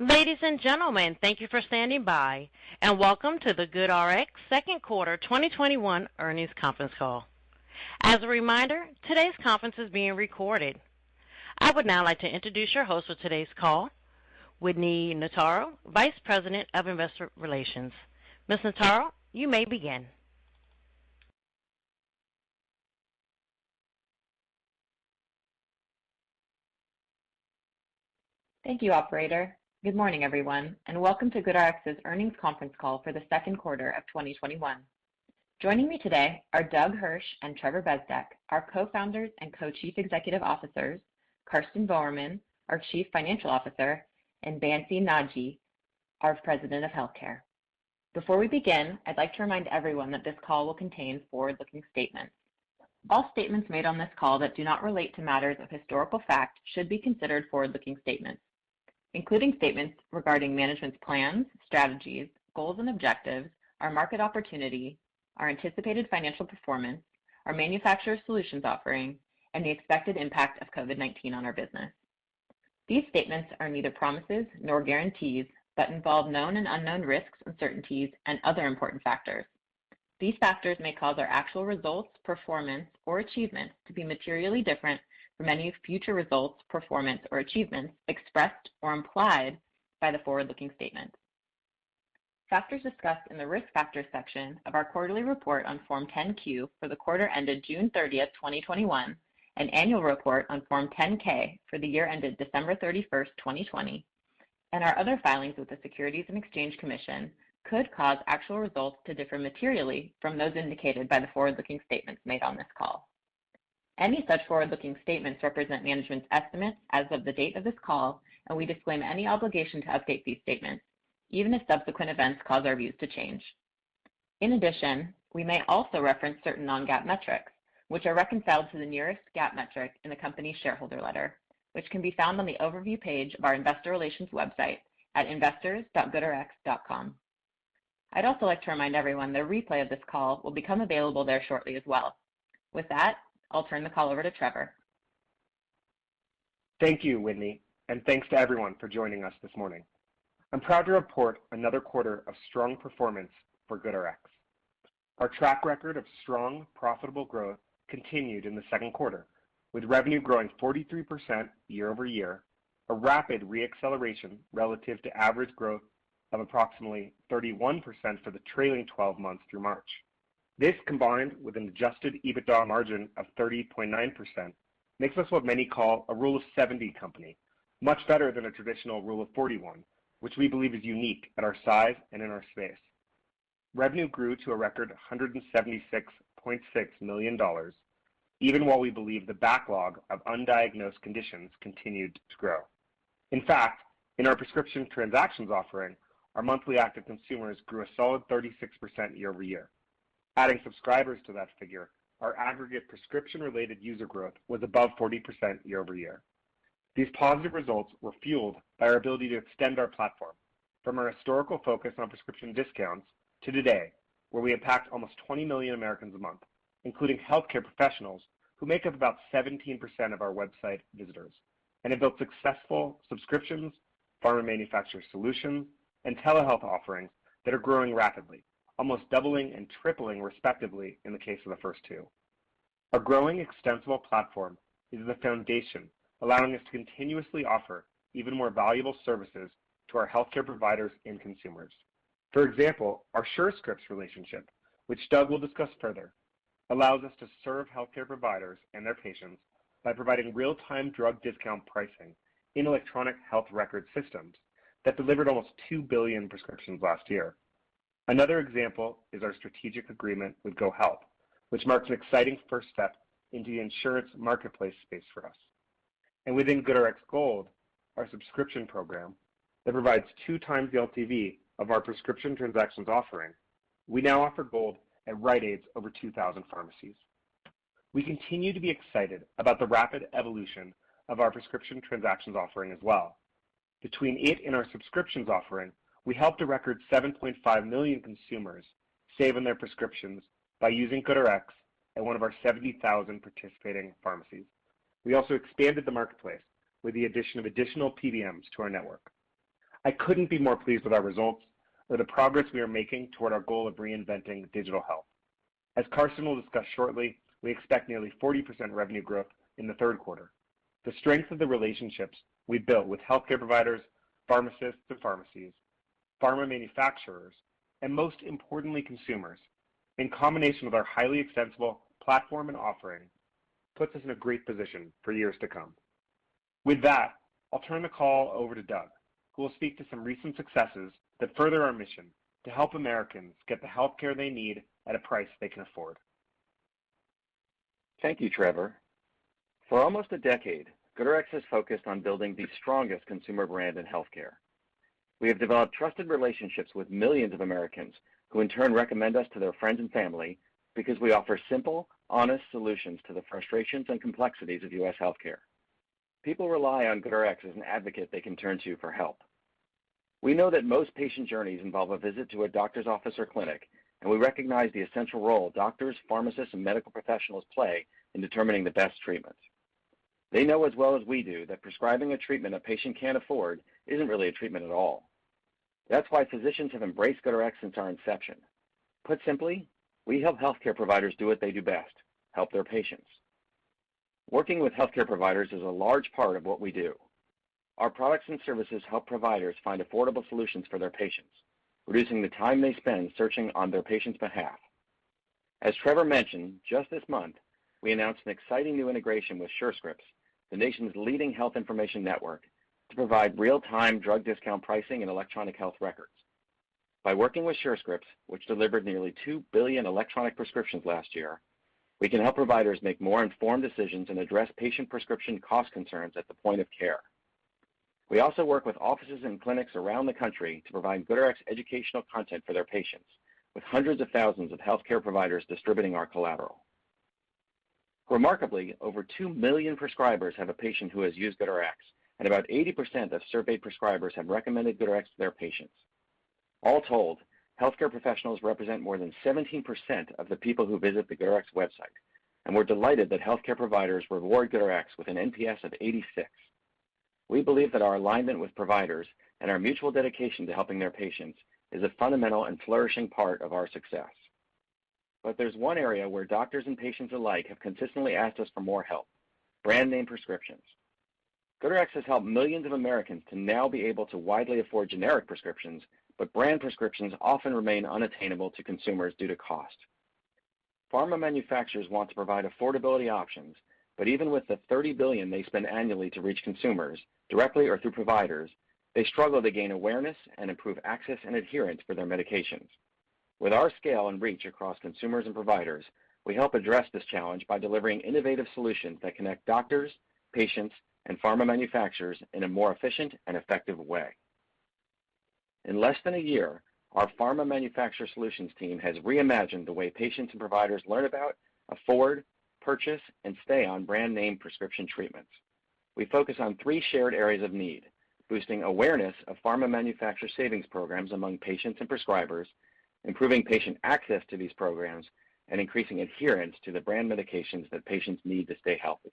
Ladies and gentlemen, thank you for standing by, and welcome to the GoodRx second quarter 2021 earnings conference call. As a reminder, today's conference is being recorded. I would now like to introduce your host for today's call, Whitney Notaro, Vice President of Investor Relations. Ms. Notaro, you may begin. Thank you, operator. Good morning, everyone, and welcome to GoodRx's earnings conference call for the second quarter of 2021. Joining me today are Doug Hirsch and Trevor Bezdek, our Co-founders and Co-Chief Executive Officers, Karsten Voermann, our Chief Financial Officer, and Bansi Nagji, our President of Healthcare. Before we begin, I'd like to remind everyone that this call will contain forward-looking statements. All statements made on this call that do not relate to matters of historical fact should be considered forward-looking statements, including statements regarding management's plans, strategies, goals, and objectives, our market opportunity, our anticipated financial performance, our Manufacturer Solutions offering, and the expected impact of COVID-19 on our business. These statements are neither promises nor guarantees but involve known and unknown risks, uncertainties, and other important factors. These factors may cause our actual results, performance, or achievements to be materially different from any future results, performance, or achievements expressed or implied by the forward-looking statements. Factors discussed in the Risk Factors section of our quarterly report on Form 10-Q for the quarter ended June 30th, 2021, and annual report on Form 10-K for the year ended December 31st, 2020, and our other filings with the Securities and Exchange Commission could cause actual results to differ materially from those indicated by the forward-looking statements made on this call. Any such forward-looking statements represent management's estimates as of the date of this call, and we disclaim any obligation to update these statements, even if subsequent events cause our views to change. In addition, we may also reference certain non-GAAP metrics, which are reconciled to the nearest GAAP metric in the company's shareholder letter, which can be found on the overview page of our investor relations website at investors.goodrx.com. I'd also like to remind everyone the replay of this call will become available there shortly as well. With that, I'll turn the call over to Trevor. Thank you, Whitney, and thanks to everyone for joining us this morning. I'm proud to report another quarter of strong performance for GoodRx. Our track record of strong, profitable growth continued in the second quarter, with revenue growing 43% year-over-year, a rapid re-acceleration relative to average growth of approximately 31% for the trailing 12 months through March. This, combined with an adjusted EBITDA margin of 30.9%, makes us what many call a rule-of-70 company, much better than a traditional rule of 41, which we believe is unique at our size and in our space. Revenue grew to a record $176.6 million, even while we believe the backlog of undiagnosed conditions continued to grow. In fact, in our prescription transactions offering, our monthly active consumers grew a solid 36% year-over-year. Adding subscribers to that figure, our aggregate prescription-related user growth was above 40% year-over-year. These positive results were fueled by our ability to extend our platform from our historical focus on prescription discounts to today, where we impact almost 20 million Americans a month, including healthcare professionals, who make up about 17% of our website visitors, and have built successful subscriptions, Pharma Manufacturer Solutions, and telehealth offerings that are growing rapidly, almost doubling and tripling, respectively, in the case of the first two. Our growing extensible platform is the foundation allowing us to continuously offer even more valuable services to our healthcare providers and consumers. For example, our Surescripts relationship, which Doug Hirsch will discuss further, allows us to serve healthcare providers and their patients by providing real-time drug discount pricing in electronic health record systems that delivered almost two billion prescriptions last year. Another example is our strategic agreement with GoHealth, which marks an exciting first step into the insurance marketplace space for us. Within GoodRx Gold, our subscription program that provides 2x the LTV of our prescription transactions offering, we now offer Gold at Rite Aid's over 2,000 pharmacies. We continue to be excited about the rapid evolution of our prescription transactions offering as well. Between it and our subscriptions offering, we helped a record 7.5 million consumers save on their prescriptions by using GoodRx at one of our 70,000 participating pharmacies. We also expanded the marketplace with the addition of additional PBMs to our network. I couldn't be more pleased with our results or the progress we are making toward our goal of reinventing digital health. As Karsten will discuss shortly, we expect nearly 40% revenue growth in the third quarter. The strength of the relationships we've built with healthcare providers, pharmacists and pharmacies, pharma manufacturers, and most importantly, consumers, in combination with our highly extensible platform and offering, puts us in a great position for years to come. With that, I'll turn the call over to Doug, who will speak to some recent successes that further our mission to help Americans get the healthcare they need at a price they can afford. Thank you, Trevor. For almost a decade, GoodRx has focused on building the strongest consumer brand in healthcare. We have developed trusted relationships with millions of Americans, who in turn recommend us to their friends and family because we offer simple, honest solutions to the frustrations and complexities of U.S. healthcare. People rely on GoodRx as an advocate they can turn to for help. We know that most patient journeys involve a visit to a doctor's office or clinic, and we recognize the essential role doctors, pharmacists, and medical professionals play in determining the best treatments. They know as well as we do that prescribing a treatment a patient can't afford isn't really a treatment at all. That's why physicians have embraced GoodRx since our inception. Put simply, we help healthcare providers do what they do best, help their patients.. All told, healthcare professionals represent more than 17% of the people who visit the GoodRx website, and we're delighted that healthcare providers reward GoodRx with an NPS of 86. We believe that our alignment with providers and our mutual dedication to helping their patients is a fundamental and flourishing part of our success. There's one area where doctors and patients alike have consistently asked us for more help, brand name prescriptions. GoodRx has helped millions of Americans to now be able to widely afford generic prescriptions, brand prescriptions often remain unattainable to consumers due to cost. Pharma manufacturers want to provide affordability options, even with the $30 billion they spend annually to reach consumers, directly or through providers, they struggle to gain awareness and improve access and adherence for their medications. With our scale and reach across consumers and providers, we help address this challenge by delivering innovative solutions that connect doctors, patients, and pharma manufacturers in a more efficient and effective way. In less than a year, our Pharma Manufacturer Solutions team has reimagined the way patients and providers learn about, afford, purchase, and stay on brand name prescription treatments. We focus on three shared areas of need, boosting awareness of pharma manufacturer savings programs among patients and prescribers, improving patient access to these programs, and increasing adherence to the brand medications that patients need to stay healthy.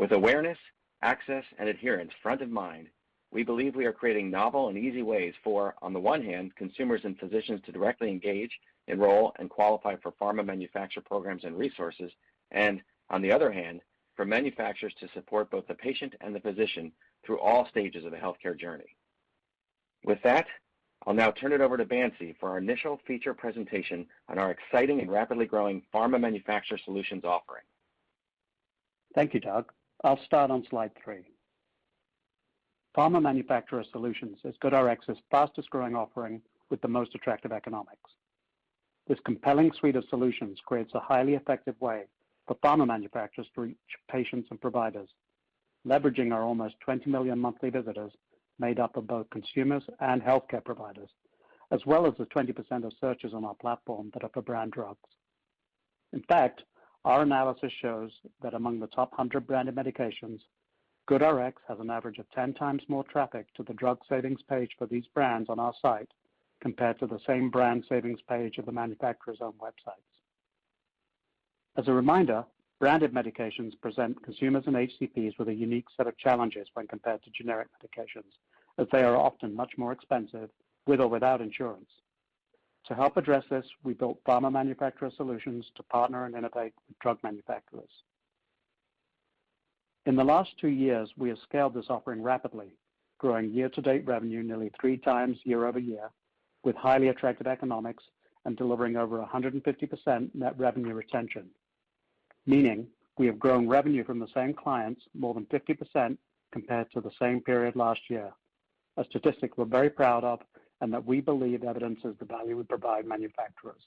With awareness, access, and adherence front of mind, we believe we are creating novel and easy ways for, on the one hand, consumers and physicians to directly engage, enroll, and qualify for pharma manufacturer programs and resources and, on the other hand, for manufacturers to support both the patient and the physician through all stages of the healthcare journey. With that, I'll now turn it over to Bansi for our initial feature presentation on our exciting and rapidly growing Pharma Manufacturer Solutions offering. Thank you, Doug. I'll start on Slide three. Pharma Manufacturer Solutions is GoodRx's fastest-growing offering with the most attractive economics. This compelling suite of solutions creates a highly effective way for pharma manufacturers to reach patients and providers, leveraging our almost 20 million monthly visitors, made up of both consumers and healthcare providers, as well as the 20% of searches on our platform that are for brand drugs. In fact, our analysis shows that among the top 100 branded medications, GoodRx has an average of 10x more traffic to the drug savings page for these brands on our site compared to the same brand savings page of the manufacturer's own websites. As a reminder, branded medications present consumers and HCPs with a unique set of challenges when compared to generic medications, as they are often much more expensive with or without insurance. To help address this, we built Pharma Manufacturer Solutions to partner and innovate with drug manufacturers. In the last two years, we have scaled this offering rapidly, growing year-to-date revenue nearly 3x year-over-year with highly attractive economics and delivering over 150% net revenue retention, meaning we have grown revenue from the same clients more than 50% compared to the same period last year, a statistic we're very proud of and that we believe evidences the value we provide manufacturers.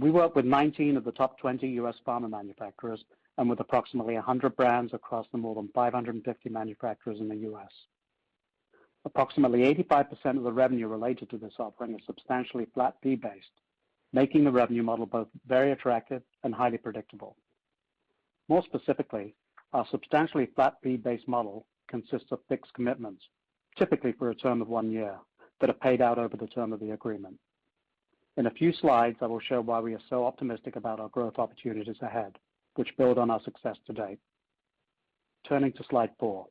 We work with 19 of the top 20 U.S. pharma manufacturers and with approximately 100 brands across the more than 550 manufacturers in the U.S. Approximately 85% of the revenue related to this offering is substantially flat-fee based, making the revenue model both very attractive and highly predictable. More specifically, our substantially flat-fee based model consists of fixed commitments, typically for a term of one year, that are paid out over the term of the agreement. In a few Slides, I will show why we are so optimistic about our growth opportunities ahead, which build on our success to date. Turning to Slide four.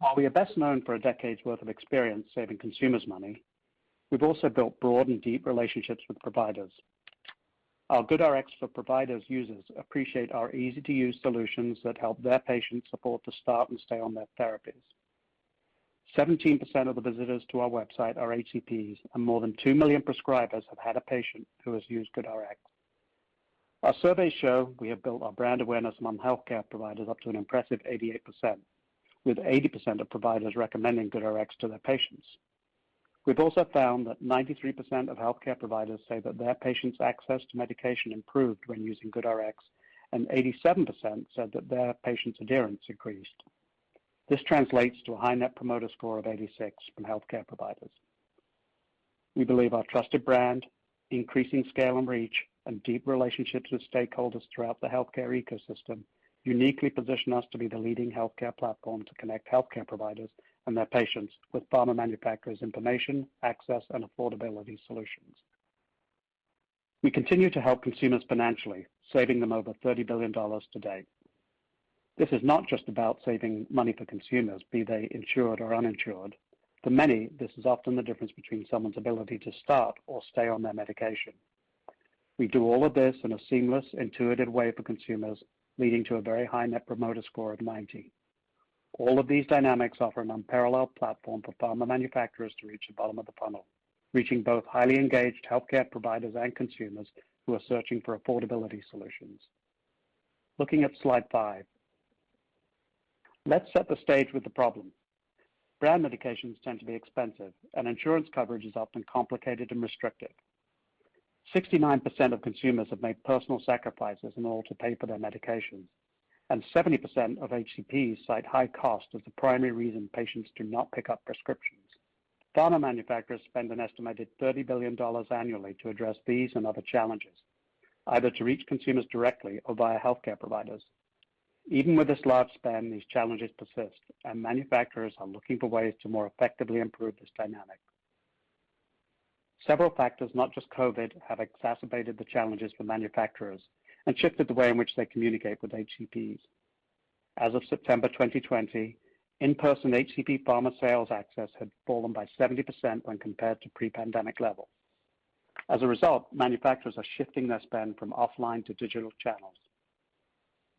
While we are best known for a decade's worth of experience saving consumers money, we've also built broad and deep relationships with providers. Our GoodRx for Providers users appreciate our easy-to-use solutions that help their patient support to start and stay on their therapies. 17% of the visitors to our website are HCPs, and more than 2 million prescribers have had a patient who has used GoodRx. Our surveys show we have built our brand awareness among healthcare providers up to an impressive 88%, with 80% of providers recommending GoodRx to their patients. We've also found that 93% of healthcare providers say that their patients' access to medication improved when using GoodRx, and 87% said that their patients' adherence increased. This translates to a high Net Promoter Score of 86 from healthcare providers. We believe our trusted brand, increasing scale and reach, and deep relationships with stakeholders throughout the healthcare ecosystem uniquely position us to be the leading healthcare platform to connect healthcare providers and their patients with pharma manufacturers' information, access, and affordability solutions. We continue to help consumers financially, saving them over $30 billion to date. This is not just about saving money for consumers, be they insured or uninsured. For many, this is often the difference between someone's ability to start or stay on their medication. We do all of this in a seamless, intuitive way for consumers, leading to a very high Net Promoter Score of 90. All of these dynamics offer an unparalleled platform for pharma manufacturers to reach the bottom of the funnel, reaching both highly engaged healthcare providers and consumers who are searching for affordability solutions. Looking at Slide five. Let's set the stage with the problem. Brand medications tend to be expensive, and insurance coverage is often complicated and restricted. 69% of consumers have made personal sacrifices in order to pay for their medications, and 70% of HCPs cite high cost as the primary reason patients do not pick up prescriptions. Pharma manufacturers spend an estimated $30 billion annually to address these and other challenges, either to reach consumers directly or via healthcare providers. Even with this large spend, these challenges persist, and manufacturers are looking for ways to more effectively improve this dynamic. Several factors, not just COVID, have exacerbated the challenges for manufacturers and shifted the way in which they communicate with HCPs. As of September 2020, in-person HCP pharma sales access had fallen by 70% when compared to pre-pandemic levels. As a result, manufacturers are shifting their spend from offline to digital channels.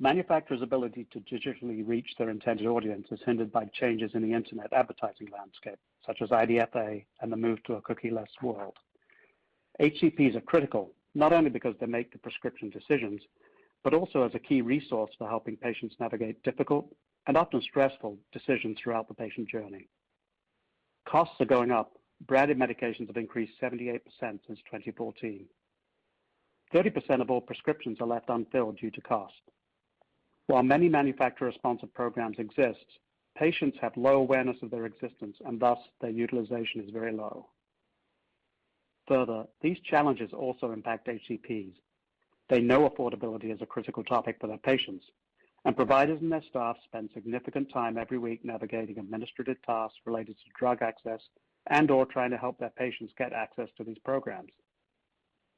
Manufacturers' ability to digitally reach their intended audience is hindered by changes in the internet advertising landscape, such as IDFA and the move to a cookie-less world. HCPs are critical, not only because they make the prescription decisions, but also as a key resource for helping patients navigate difficult and often stressful decisions throughout the patient journey. Costs are going up. Branded medications have increased 78% since 2014. 30% of all prescriptions are left unfilled due to cost. While many manufacturer-sponsored programs exist, patients have low awareness of their existence, and thus, their utilization is very low. These challenges also impact HCPs. They know affordability is a critical topic for their patients, providers and their staff spend significant time every week navigating administrative tasks related to drug access and/or trying to help their patients get access to these programs.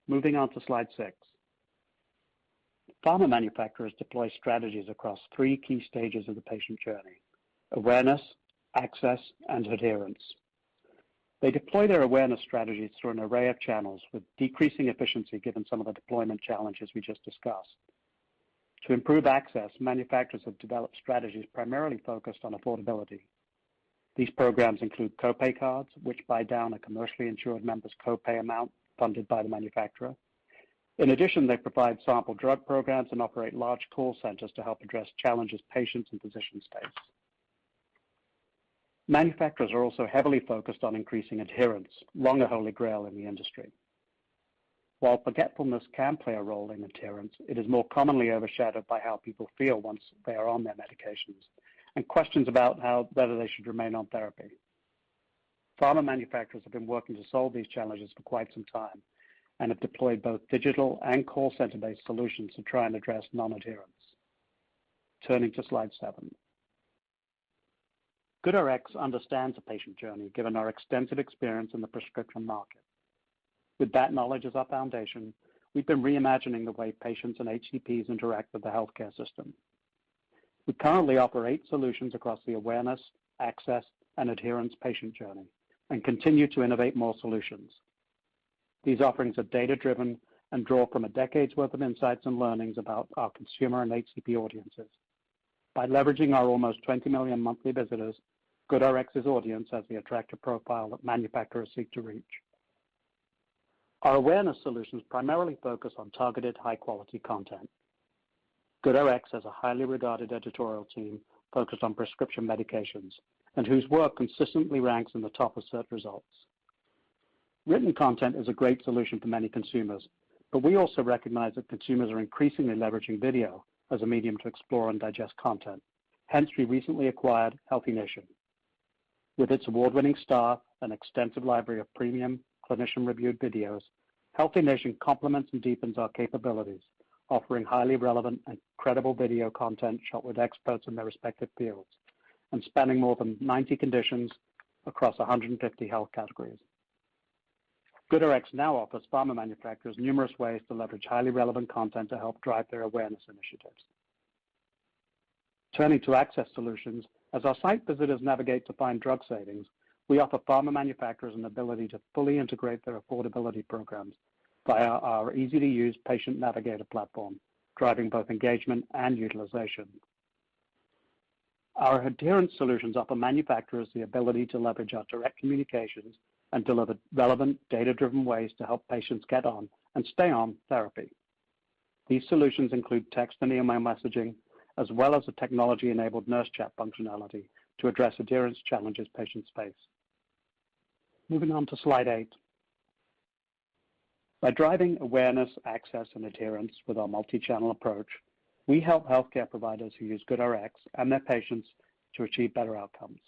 Moving on to Slide six. Pharma manufacturers deploy strategies across three key stages of the patient journey. Awareness, access, and adherence. They deploy their awareness strategies through an array of channels with decreasing efficiency given some of the deployment challenges we just discussed. To improve access, manufacturers have developed strategies primarily focused on affordability. These programs include co-pay cards, which buy down a commercially insured member's co-pay amount funded by the manufacturer. They provide sample drug programs and operate large call centers to help address challenges patients and physicians face. Manufacturers are also heavily focused on increasing adherence, long a holy grail in the industry. While forgetfulness can play a role in adherence, it is more commonly overshadowed by how people feel once they are on their medications and questions about whether they should remain on therapy. Pharma manufacturers have been working to solve these challenges for quite some time and have deployed both digital and call center-based solutions to try and address non-adherence. Turning to Slide seven. GoodRx understands the patient journey, given our extensive experience in the prescription market. With that knowledge as our foundation, we've been reimagining the way patients and HCPs interact with the healthcare system. We currently operate solutions across the awareness, access, and adherence patient journey and continue to innovate more solutions. These offerings are data-driven and draw from a decade's worth of insights and learnings about our consumer and HCP audiences. By leveraging our almost 20 million monthly visitors, GoodRx's audience has the attractive profile that manufacturers seek to reach. Our awareness solutions primarily focus on targeted high-quality content. GoodRx has a highly regarded editorial team focused on prescription medications and whose work consistently ranks in the top of search results. Written content is a great solution for many consumers, but we also recognize that consumers are increasingly leveraging video as a medium to explore and digest content. We recently acquired HealthiNation. With its award-winning staff and extensive library of premium clinician-reviewed videos, HealthiNation complements and deepens our capabilities, offering highly relevant and credible video content shot with experts in their respective fields and spanning more than 90 conditions across 150 health categories. GoodRx now offers pharma manufacturers numerous ways to leverage highly relevant content to help drive their awareness initiatives. Turning to access solutions. As our site visitors navigate to find drug savings, we offer pharma manufacturers an ability to fully integrate their affordability programs via our easy-to-use Patient Navigator platform, driving both engagement and utilization. Our adherence solutions offer manufacturers the ability to leverage our direct communications and deliver relevant data-driven ways to help patients get on and stay on therapy. These solutions include text and email messaging, as well as a technology-enabled nurse chat functionality to address adherence challenges patients face. Moving on to Slide eight. By driving awareness, access, and adherence with our multi-channel approach, we help healthcare providers who use GoodRx and their patients to achieve better outcomes.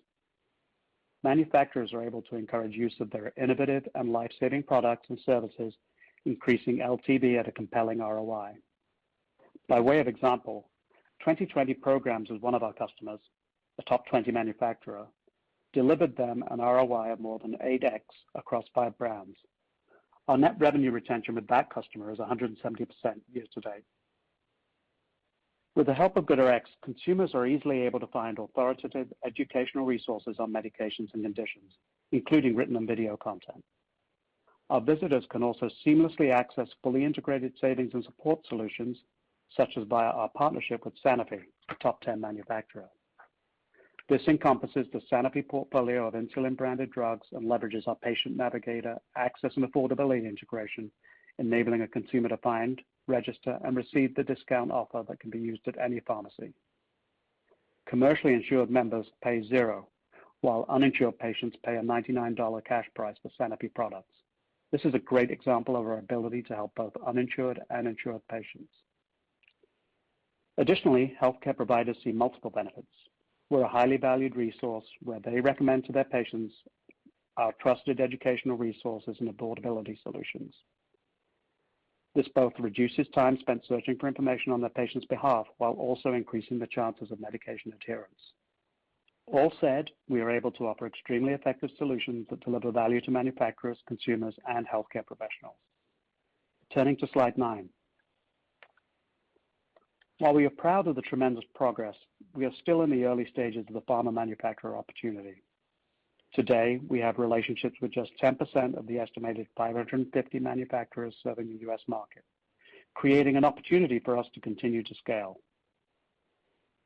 Manufacturers are able to encourage use of their innovative and life-saving products and services, increasing LTV at a compelling ROI. By way of example, Twenty Twenty Programs is one of our customers, a top 20 manufacturer, delivered them an ROI of more than 8x across five brands. Our net revenue retention with that customer is 170% year-to-date. With the help of GoodRx, consumers are easily able to find authoritative educational resources on medications and conditions, including written and video content. Our visitors can also seamlessly access fully integrated savings and support solutions, such as via our partnership with Sanofi, a top 10 manufacturer. This encompasses the Sanofi portfolio of insulin-branded drugs and leverages our Patient Navigator, access and affordability integration, enabling a consumer to find, register, and receive the discount offer that can be used at any pharmacy. Commercially insured members pay zero, while uninsured patients pay a $99 cash price for Sanofi products. This is a great example of our ability to help both uninsured and insured patients. Additionally, healthcare providers see multiple benefits. We're a highly valued resource where they recommend to their patients our trusted educational resources and affordability solutions. This both reduces time spent searching for information on their patient's behalf while also increasing the chances of medication adherence. All said, we are able to offer extremely effective solutions that deliver value to manufacturers, consumers, and healthcare professionals. Turning to Slide nine. While we are proud of the tremendous progress, we are still in the early stages of the pharma manufacturer opportunity. Today, we have relationships with just 10% of the estimated 550 manufacturers serving the U.S. market, creating an opportunity for us to continue to scale.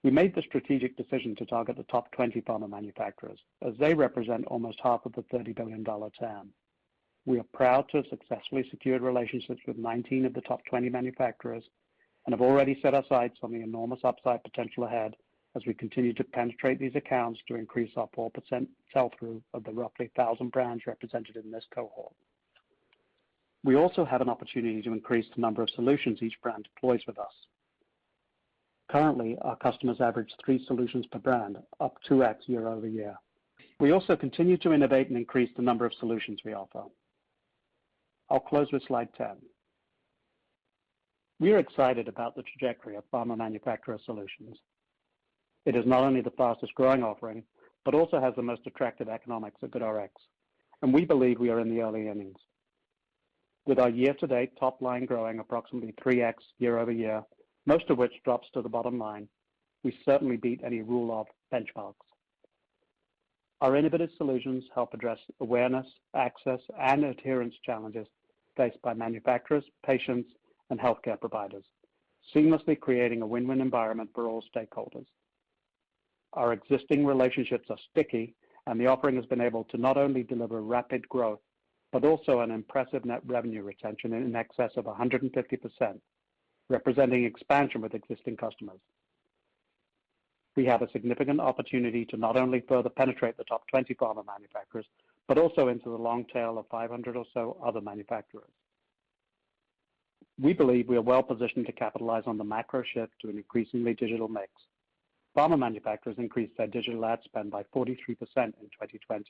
We made the strategic decision to target the top 20 pharma manufacturers, as they represent almost half of the $30 billion TAM. We are proud to have successfully secured relationships with 19 of the top 20 manufacturers and have already set our sights on the enormous upside potential ahead as we continue to penetrate these accounts to increase our 4% sell-through of the roughly 1,000 brands represented in this cohort. We also have an opportunity to increase the number of solutions each brand deploys with us. Currently, our customers average three solutions per brand, up 2X year-over-year. We also continue to innovate and increase the number of solutions we offer. I'll close with Slide 10. We are excited about the trajectory of Pharma Manufacturer Solutions. It is not only the fastest-growing offering, but also has the most attractive economics at GoodRx, and we believe we are in the early innings. With our year-to-date top line growing approximately 3x year-over-year, most of which drops to the bottom line, we certainly beat any rule of benchmarks. Our innovative solutions help address awareness, access, and adherence challenges faced by manufacturers, patients, and healthcare providers, seamlessly creating a win-win environment for all stakeholders. Our existing relationships are sticky, and the offering has been able to not only deliver rapid growth, but also an impressive net revenue retention in excess of 150%, representing expansion with existing customers. We have a significant opportunity to not only further penetrate the top 20 pharma manufacturers, but also into the long tail of 500 or so other manufacturers. We believe we are well-positioned to capitalize on the macro shift to an increasingly digital mix. Pharma manufacturers increased their digital ad spend by 43% in 2020.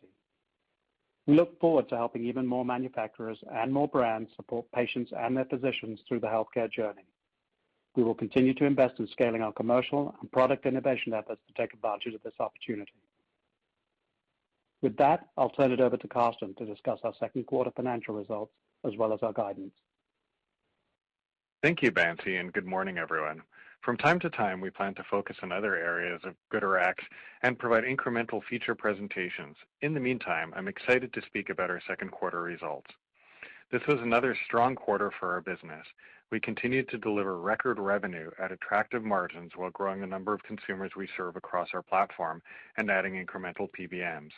We look forward to helping even more manufacturers and more brands support patients and their physicians through the healthcare journey. We will continue to invest in scaling our commercial and product innovation efforts to take advantage of this opportunity. With that, I'll turn it over to Karsten to discuss our second quarter financial results as well as our guidance. Thank you, Bansi. Good morning, everyone. From time to time, we plan to focus on other areas of GoodRx and provide incremental feature presentations. In the meantime, I'm excited to speak about our second quarter results. This was another strong quarter for our business. We continued to deliver record revenue at attractive margins while growing the number of consumers we serve across our platform and adding incremental PBMs.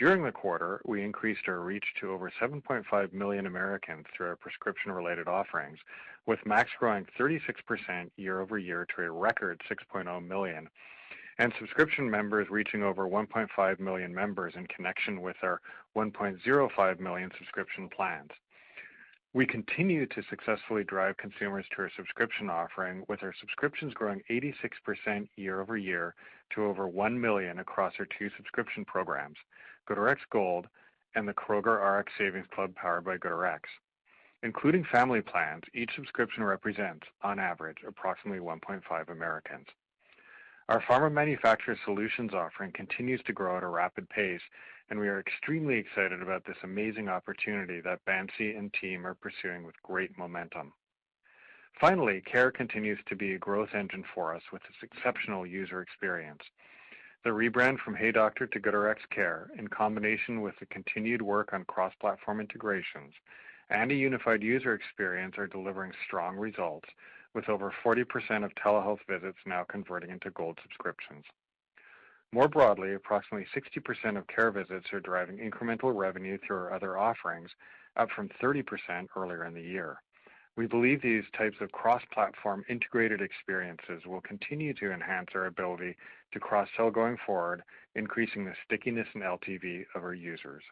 During the quarter, we increased our reach to over 7.5 million Americans through our prescription-related offerings, with MACs growing 36% year-over-year to a record 6.0 million, and subscription members reaching over 1.5 million members in connection with our 1.05 million subscription plans. We continue to successfully drive consumers to our subscription offering, with our subscriptions growing 86% year-over-year to over 1 million across our two subscription programs, GoodRx Gold and the Kroger Rx Savings Club powered by GoodRx. Including family plans, each subscription represents, on average, approximately 1.5 Americans. Our Pharma Manufacturer Solutions offering continues to grow at a rapid pace, and we are extremely excited about this amazing opportunity that Bansi and team are pursuing with great momentum. Finally, Care continues to be a growth engine for us with its exceptional user experience. The rebrand from HeyDoctor to GoodRx Care, in combination with the continued work on cross-platform integrations and a unified user experience, are delivering strong results, with over 40% of telehealth visits now converting into Gold subscriptions. More broadly, approximately 60% of care visits are driving incremental revenue through our other offerings, up from 30% earlier in the year. We believe these types of cross-platform integrated experiences will continue to enhance our ability to cross-sell going forward, increasing the stickiness and LTV of our users.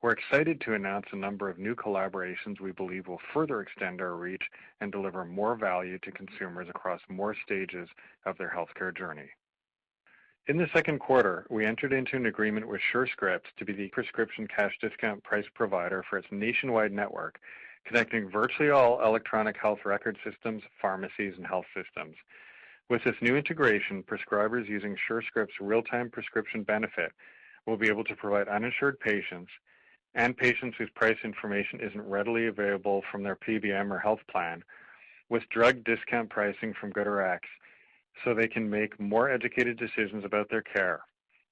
We're excited to announce a number of new collaborations we believe will further extend our reach and deliver more value to consumers across more stages of their healthcare journey. In the second quarter, we entered into an agreement with Surescripts to be the prescription cash discount price provider for its nationwide network, connecting virtually all electronic health record systems, pharmacies, and health systems. With this new integration, prescribers using Surescripts' real-time prescription benefit will be able to provide uninsured patients and patients whose price information isn't readily available from their PBM or health plan with drug discount pricing from GoodRx so they can make more educated decisions about their care.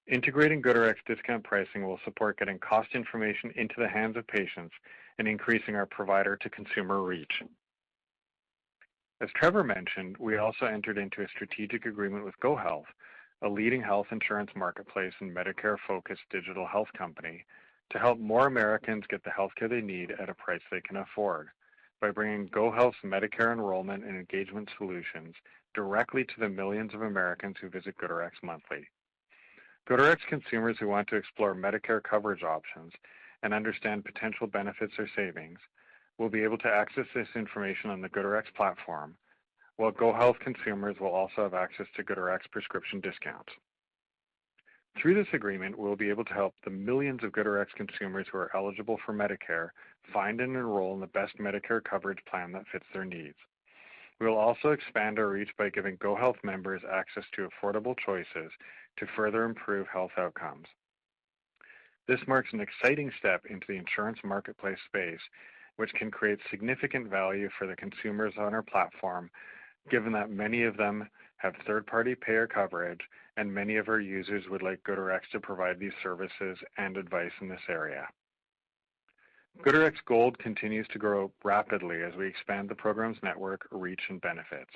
Integrating GoodRx discount pricing will support getting cost information into the hands of patients and increasing our provider-to-consumer reach. As Trevor mentioned, we also entered into a strategic agreement with GoHealth, a leading health insurance marketplace and Medicare-focused digital health company, to help more Americans get the healthcare they need at a price they can afford by bringing GoHealth's Medicare enrollment and engagement solutions directly to the millions of Americans who visit GoodRx monthly. GoodRx consumers who want to explore Medicare coverage options and understand potential benefits or savings will be able to access this information on the GoodRx platform, while GoHealth consumers will also have access to GoodRx prescription discounts. Through this agreement, we'll be able to help the millions of GoodRx consumers who are eligible for Medicare find and enroll in the best Medicare coverage plan that fits their needs. We will also expand our reach by giving GoHealth members access to affordable choices to further improve health outcomes. This marks an exciting step into the insurance marketplace space, which can create significant value for the consumers on our platform, given that many of them have third-party payer coverage, and many of our users would like GoodRx to provide these services and advice in this area. GoodRx Gold continues to grow rapidly as we expand the program's network, reach, and benefits.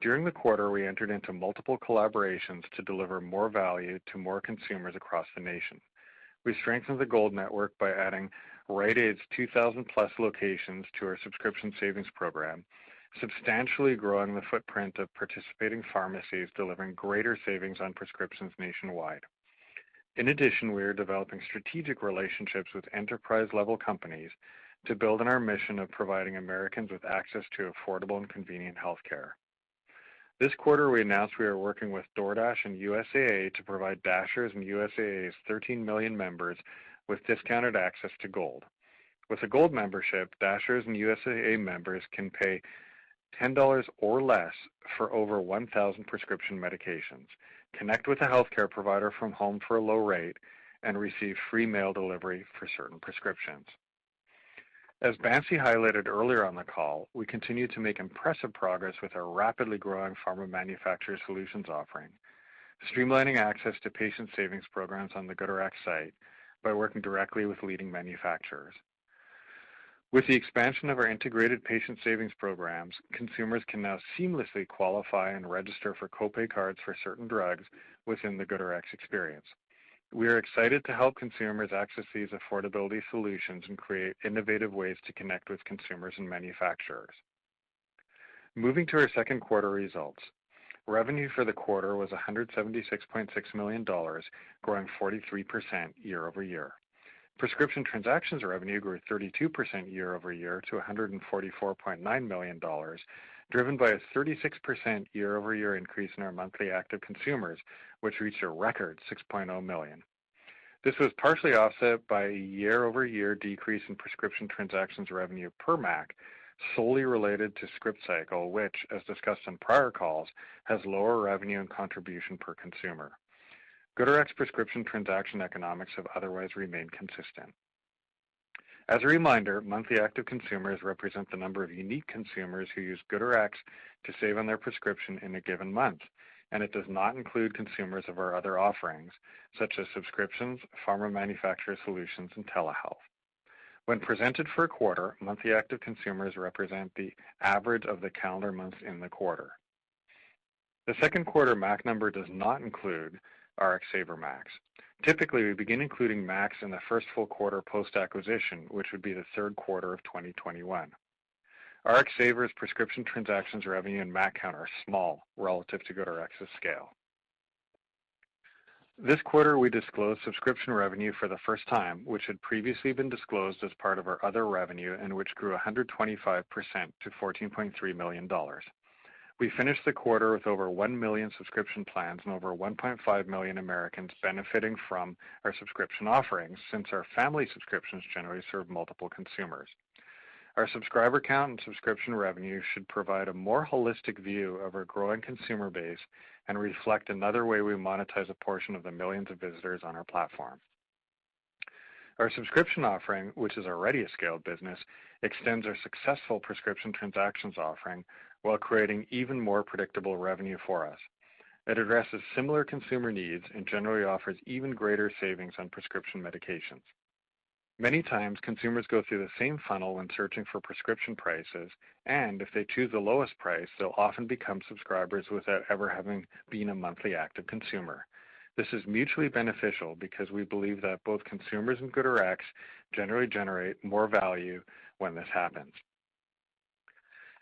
During the quarter, we entered into multiple collaborations to deliver more value to more consumers across the nation. We strengthened the Gold network by adding Rite Aid's 2,000-plus locations to our subscription savings program, substantially growing the footprint of participating pharmacies, delivering greater savings on prescriptions nationwide. In addition, we are developing strategic relationships with enterprise-level companies to build on our mission of providing Americans with access to affordable and convenient healthcare. This quarter, we announced we are working with DoorDash and USAA to provide Dashers and USAA's 13 million members with discounted access to Gold. With a Gold membership, Dashers and USAA members can pay $10 or less for over 1,000 prescription medications, connect with a healthcare provider from home for a low rate, and receive free mail delivery for certain prescriptions. As Bansi highlighted earlier on the call, we continue to make impressive progress with our rapidly growing Pharma Manufacturer Solutions offering, streamlining access to patient savings programs on the GoodRx site by working directly with leading manufacturers. With the expansion of our integrated patient savings programs, consumers can now seamlessly qualify and register for co-pay cards for certain drugs within the GoodRx experience. We are excited to help consumers access these affordability solutions and create innovative ways to connect with consumers and manufacturers. Moving to our second quarter results. Revenue for the quarter was $176.6 million, growing 43% year-over-year. Prescription transactions revenue grew 32% year-over-year to $144.9 million, driven by a 36% year-over-year increase in our monthly active consumers, which reached a record 6.0 million. This was partially offset by a year-over-year decrease in prescription transactions revenue per MAC, solely related to Scriptcycle, which, as discussed on prior calls, has lower revenue and contribution per consumer. GoodRx prescription transaction economics have otherwise remained consistent. As a reminder, monthly active consumers represent the number of unique consumers who use GoodRx to save on their prescription in a given month, and it does not include consumers of our other offerings, such as subscriptions, Pharma Manufacturer Solutions, and telehealth. When presented for a quarter, monthly active consumers represent the average of the calendar months in the quarter. The second quarter MAC number does not include RxSaver MACs. Typically, we begin including MACs in the first full quarter post-acquisition, which would be the third quarter of 2021. RxSaver's prescription transactions revenue and MAC count are small relative to GoodRx's scale. This quarter, we disclosed subscription revenue for the first time, which had previously been disclosed as part of our other revenue and which grew 125% to $14.3 million. We finished the quarter with over one million subscription plans and over 1.5 million Americans benefiting from our subscription offerings, since our family subscriptions generally serve multiple consumers. Our subscriber count and subscription revenue should provide a more holistic view of our growing consumer base and reflect another way we monetize a portion of the millions of visitors on our platform. Our subscription offering, which is already a scaled business, extends our successful prescription transactions offering while creating even more predictable revenue for us. It addresses similar consumer needs and generally offers even greater savings on prescription medications. Many times, consumers go through the same funnel when searching for prescription prices, and if they choose the lowest price, they'll often become subscribers without ever having been a monthly active consumer. This is mutually beneficial because we believe that both consumers and GoodRx generally generate more value when this happens.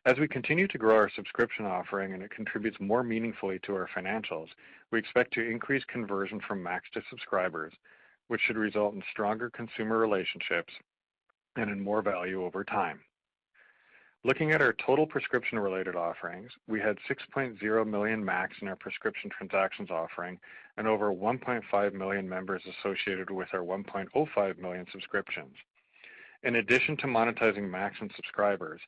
As we continue to grow our subscription offering and it contributes more meaningfully to our financials, we expect to increase conversion from MACs to subscribers, which should result in stronger consumer relationships and in more value over time. Looking at our total prescription-related offerings, we had 6.0 million MACs in our prescription transactions offering and over 1.5 million members associated with our 1.05 million subscriptions. In addition to monetizing MACs subscribers,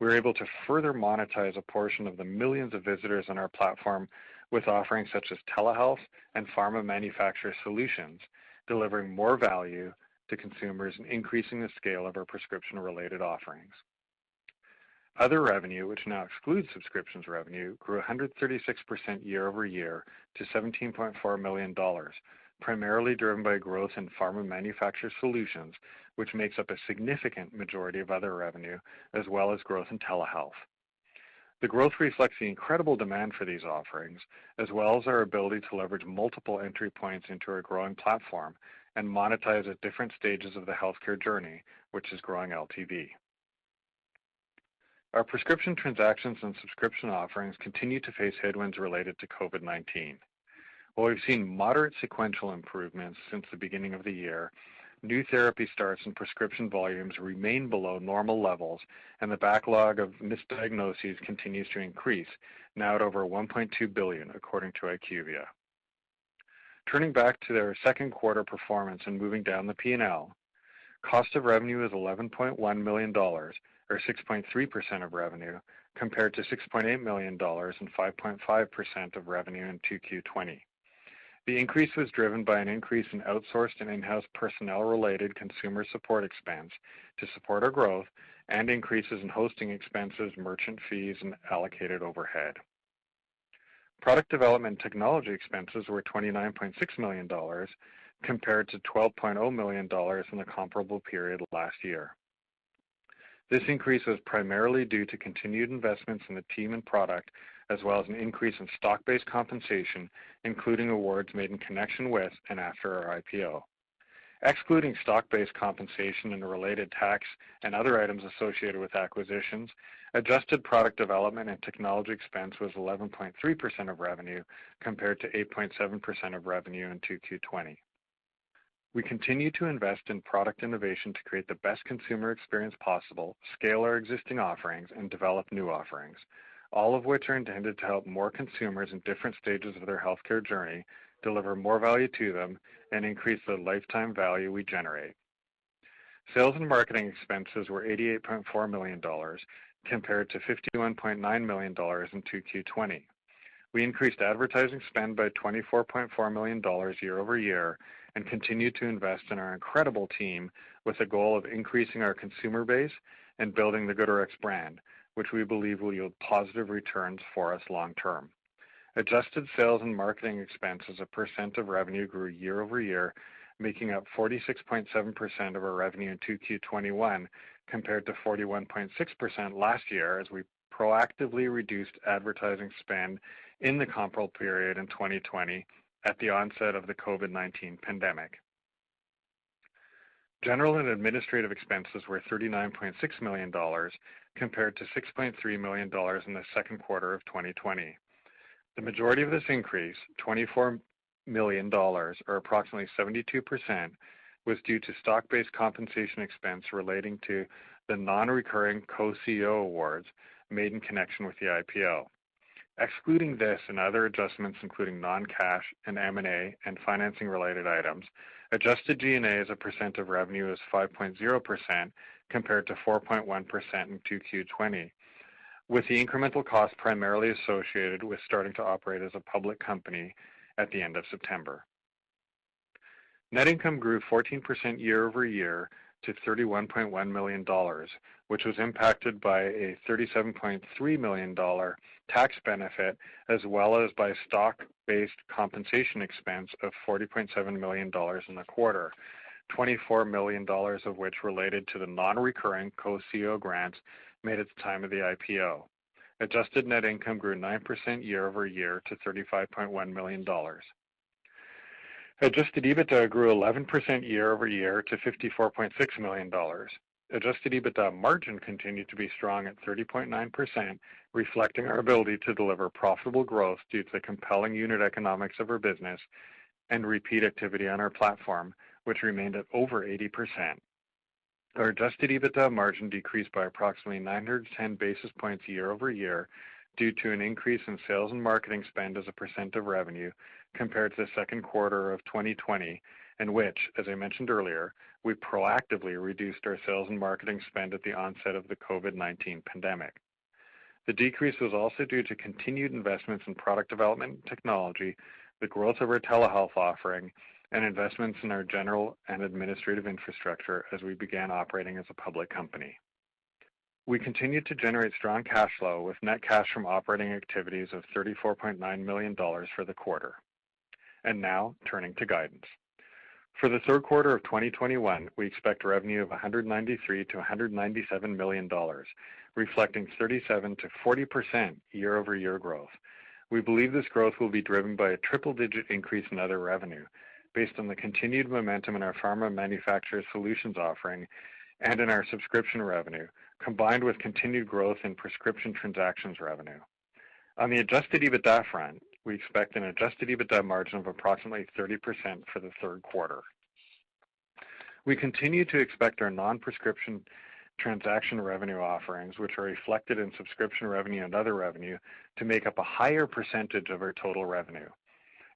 we were able to further monetize a portion of the millions of visitors on our platform with offerings such as telehealth and Pharma Manufacturer Solutions, delivering more value to consumers and increasing the scale of our prescription-related offerings. Other revenue, which now excludes subscriptions revenue, grew 136% year-over-year to $17.4 million, primarily driven by growth in Pharma Manufacturer Solutions, which makes up a significant majority of other revenue as well as growth in telehealth. The growth reflects the incredible demand for these offerings, as well as our ability to leverage multiple entry points into our growing platform and monetize at different stages of the healthcare journey, which is growing LTV. Our prescription transactions and subscription offerings continue to face headwinds related to COVID-19. While we've seen moderate sequential improvements since the beginning of the year, new therapy starts and prescription volumes remain below normal levels, and the backlog of misdiagnoses continues to increase, now at over 1.2 billion, according to IQVIA. Turning back to their second quarter performance and moving down the P&L, cost of revenue is $11.1 million, or 6.3% of revenue, compared to $6.8 million and 5.5% of revenue in Q2 2020. The increase was driven by an increase in outsourced and in-house personnel-related consumer support expense to support our growth and increases in hosting expenses, merchant fees, and allocated overhead. Product development technology expenses were $29.6 million, compared to $12.0 million in the comparable period last year. This increase was primarily due to continued investments in the team and product, as well as an increase in stock-based compensation, including awards made in connection with and after our IPO. Excluding stock-based compensation and the related tax and other items associated with acquisitions, adjusted product development and technology expense was 11.3% of revenue, compared to 8.7% of revenue in Q2 2020. We continue to invest in product innovation to create the best consumer experience possible, scale our existing offerings, and develop new offerings, all of which are intended to help more consumers in different stages of their healthcare journey deliver more value to them and increase the lifetime value we generate. Sales and marketing expenses were $88.4 million, compared to $51.9 million in Q2 2020. We increased advertising spend by $24.4 million year-over-year and continued to invest in our incredible team with the goal of increasing our consumer base and building the GoodRx brand, which we believe will yield positive returns for us long term. Adjusted sales and marketing expenses as a percent of revenue grew year-over-year, making up 46.7% of our revenue in Q2 2021 compared to 41.6% last year, as we proactively reduced advertising spend in the comparable period in 2020 at the onset of the COVID-19 pandemic. General and administrative expenses were $39.6 million, compared to $6.3 million in the second quarter of 2020. The majority of this increase, $24 million, or approximately 72%, was due to stock-based compensation expense relating to the non-recurring co-CEO awards made in connection with the IPO. Excluding this and other adjustments, including non-cash and M&A and financing-related items, adjusted G&A as a percent of revenue is 5.0%, compared to 4.1% in Q2 2020, with the incremental cost primarily associated with starting to operate as a public company at the end of September. Net income grew 14% year-over-year to $31.1 million, which was impacted by a $37.3 million tax benefit, as well as by stock-based compensation expense of $40.7 million in the quarter, $24 million of which related to the non-recurring co-CEO grants made at the time of the IPO. Adjusted net income grew 9% year-over-year to $35.1 million. Adjusted EBITDA grew 11% year-over-year to $54.6 million. Adjusted EBITDA margin continued to be strong at 30.9%, reflecting our ability to deliver profitable growth due to the compelling unit economics of our business and repeat activity on our platform, which remained at over 80%. Our adjusted EBITDA margin decreased by approximately 910 basis points year-over-year due to an increase in sales and marketing spend as a % of revenue compared to the second quarter of 2020, in which, as I mentioned earlier, we proactively reduced our sales and marketing spend at the onset of the COVID-19 pandemic. The decrease was also due to continued investments in product development technology, the growth of our telehealth offering, and investments in our general and administrative infrastructure as we began operating as a public company. We continued to generate strong cash flow with net cash from operating activities of $34.9 million for the quarter. Now turning to guidance. For the third quarter of 2021, we expect revenue of $193 million-$197 million, reflecting 37%-40% year-over-year growth. We believe this growth will be driven by a triple-digit increase in other revenue based on the continued momentum in our Pharma Manufacturer Solutions offering and in our subscription revenue, combined with continued growth in prescription transactions revenue. On the adjusted EBITDA front, we expect an adjusted EBITDA margin of approximately 30% for the third quarter. We continue to expect our non-prescription transaction revenue offerings, which are reflected in subscription revenue and other revenue, to make up a higher percentage of our total revenue.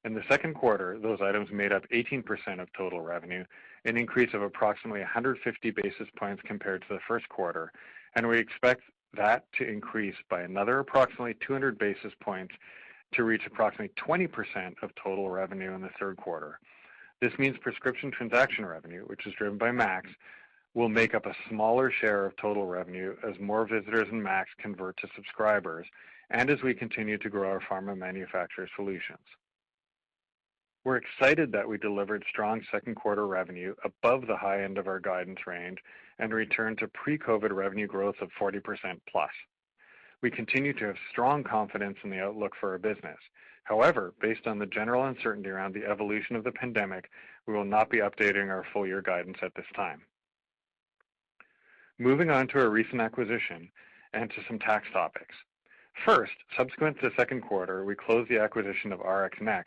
In the second quarter, those items made up 18% of total revenue, an increase of approximately 150 basis points compared to the first quarter, and we expect that to increase by another approximately 200 basis points to reach approximately 20% of total revenue in the third quarter. This means prescription transaction revenue, which is driven by MACs, will make up a smaller share of total revenue as more visitors in MACs convert to subscribers, and as we continue to grow our Pharma Manufacturer Solutions. We're excited that we delivered strong second quarter revenue above the high end of our guidance range and a return to pre-COVID revenue growth of 40% plus. We continue to have strong confidence in the outlook for our business. However, based on the general uncertainty around the evolution of the pandemic, we will not be updating our full year guidance at this time. Moving on to our recent acquisition and to some tax topics. First, subsequent to the second quarter, we closed the acquisition of RxNXT, a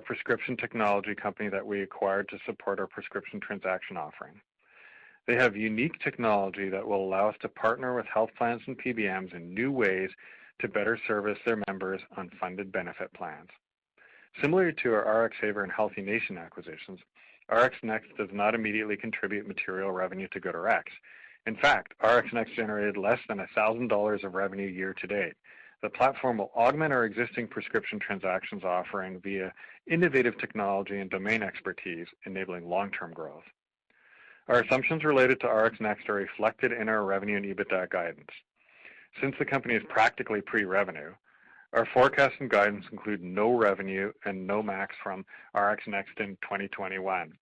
prescription technology company that we acquired to support our prescription transaction offering. They have unique technology that will allow us to partner with health plans and PBMs in new ways to better service their members on funded benefit plans. Similar to our RxSaver and HealthiNation acquisitions, RxNXT does not immediately contribute material revenue to GoodRx. In fact, RxNXT generated less than $1,000 of revenue year to date. The platform will augment our existing prescription transactions offering via innovative technology and domain expertise, enabling long-term growth. Our assumptions related to RxNXT are reflected in our revenue and EBITDA guidance. Since the company is practically pre-revenue, our forecast and guidance include no revenue and no MACs from RxNXT in 2021.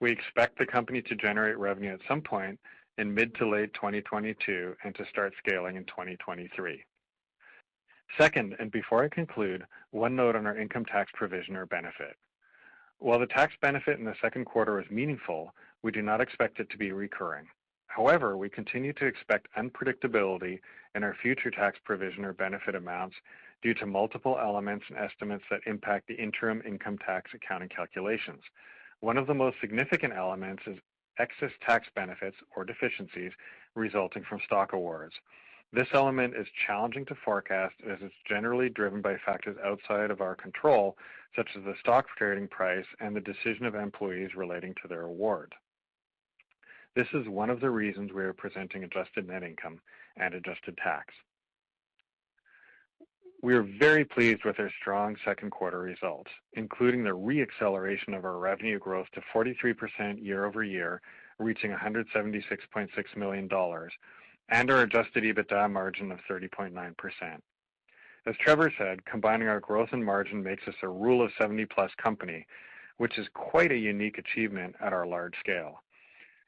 We expect the company to generate revenue at some point in mid to late 2022 and to start scaling in 2023. Second, and before I conclude, one note on our income tax provision or benefit. While the tax benefit in the second quarter was meaningful, we do not expect it to be recurring. However, we continue to expect unpredictability in our future tax provision or benefit amounts due to multiple elements and estimates that impact the interim income tax accounting calculations. One of the most significant elements is excess tax benefits or deficiencies resulting from stock awards. This element is challenging to forecast as it's generally driven by factors outside of our control, such as the stock trading price and the decision of employees relating to their award. This is one of the reasons we are presenting adjusted net income and adjusted tax. We are very pleased with our strong second quarter results, including the re-acceleration of our revenue growth to 43% year-over-year, reaching $176.6 million, and our adjusted EBITDA margin of 30.9%. As Trevor said, combining our growth and margin makes us a rule of 70+ company, which is quite a unique achievement at our large scale.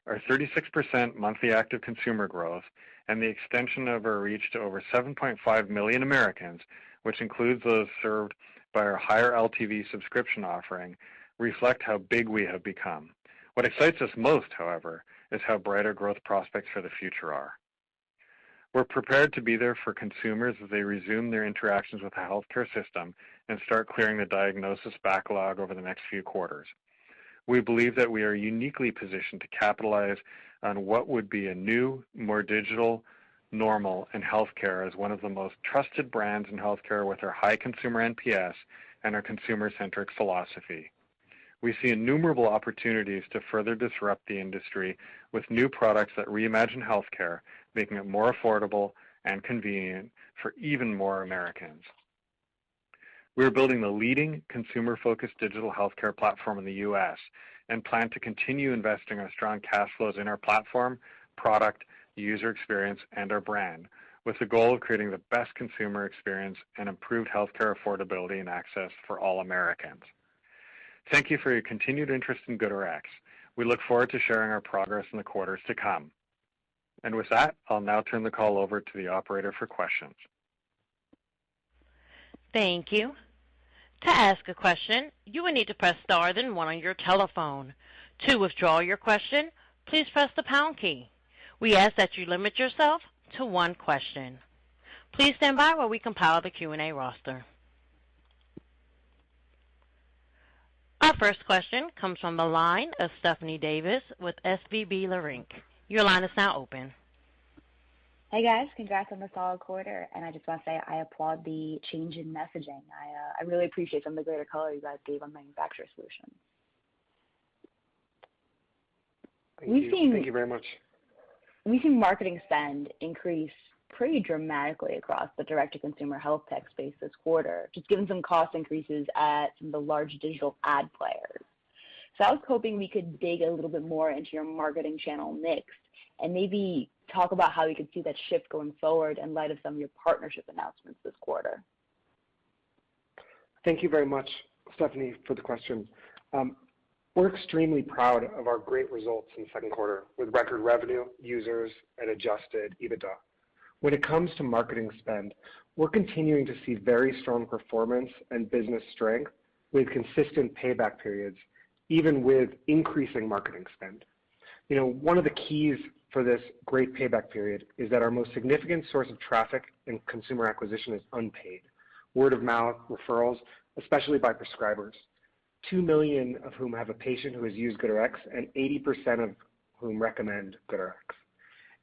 Our 36% monthly active consumer growth and the extension of our reach to over 7.5 million Americans, which includes those served by our higher LTV subscription offering, reflect how big we have become. What excites us most, however, is how bright our growth prospects for the future are. We're prepared to be there for consumers as they resume their interactions with the healthcare system and start clearing the diagnosis backlog over the next few quarters. We believe that we are uniquely positioned to capitalize on what would be a new, more digital normal in healthcare as one of the most trusted brands in healthcare with our high consumer NPS and our consumer-centric philosophy. We see innumerable opportunities to further disrupt the industry with new products that reimagine healthcare, making it more affordable and convenient for even more Americans. We are building the leading consumer-focused digital healthcare platform in the U.S. and plan to continue investing our strong cash flows in our platform, product, user experience, and our brand, with the goal of creating the best consumer experience and improved healthcare affordability and access for all Americans. Thank you for your continued interest in GoodRx. We look forward to sharing our progress in the quarters to come. With that, I'll now turn the call over to the operator for questions. Our first question comes from the line of Stephanie Davis with SVB Leerink. Hey, guys. Congrats on the solid quarter. I just want to say I applaud the change in messaging. I really appreciate some of the greater color you guys gave on Manufacturer Solutions. Thank you. Thank you very much. We've seen marketing spend increase pretty dramatically across the direct-to-consumer health tech space this quarter, just given some cost increases at some of the large digital ad players. I was hoping we could dig a little bit more into your marketing channel mix and maybe talk about how we could see that shift going forward in light of some of your partnership announcements this quarter. Thank you very much, Stephanie, for the question. We're extremely proud of our great results in the second quarter with record revenue, users, and adjusted EBITDA. When it comes to marketing spend, we're continuing to see very strong performance and business strength with consistent payback periods, even with increasing marketing spend. One of the keys for this great payback period is that our most significant source of traffic and consumer acquisition is unpaid. Word-of-mouth referrals, especially by prescribers, two million of whom have a patient who has used GoodRx, and 80% of whom recommend GoodRx.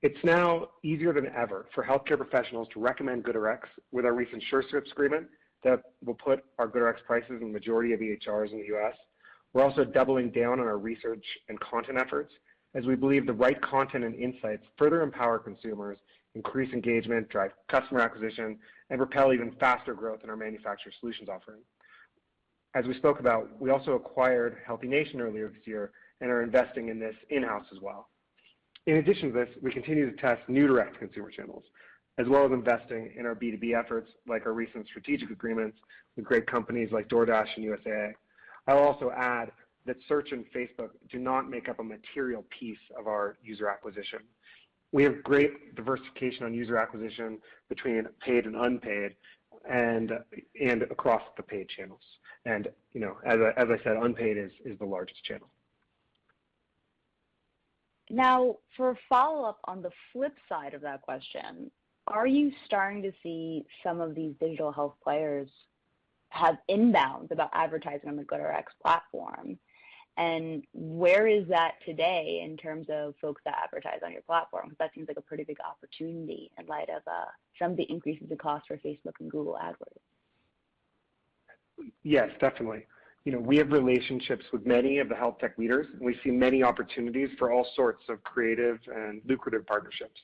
It's now easier than ever for healthcare professionals to recommend GoodRx with our recent Surescripts agreement that will put our GoodRx prices in the majority of EHRs in the U.S. We're also doubling down on our research and content efforts as we believe the right content and insights further empower consumers, increase engagement, drive customer acquisition, and propel even faster growth in our Manufacturer Solutions offering. As we spoke about, we also acquired HealthiNation earlier this year and are investing in this in-house as well. In addition to this, we continue to test new direct-to-consumer channels, as well as investing in our B2B efforts, like our recent strategic agreements with great companies like DoorDash and USAA. I'll also add that search and Facebook do not make up a material piece of our user acquisition. We have great diversification on user acquisition between paid and unpaid and across the paid channels. As I said, unpaid is the largest channel. Now, for a follow-up on the flip side of that question, are you starting to see some of these digital health players have inbounds about advertising on the GoodRx platform? Where is that today in terms of folks that advertise on your platform? That seems like a pretty big opportunity in light of some of the increases in cost for Facebook and Google Ads. Yes, definitely. We have relationships with many of the health tech leaders, and we see many opportunities for all sorts of creative and lucrative partnerships.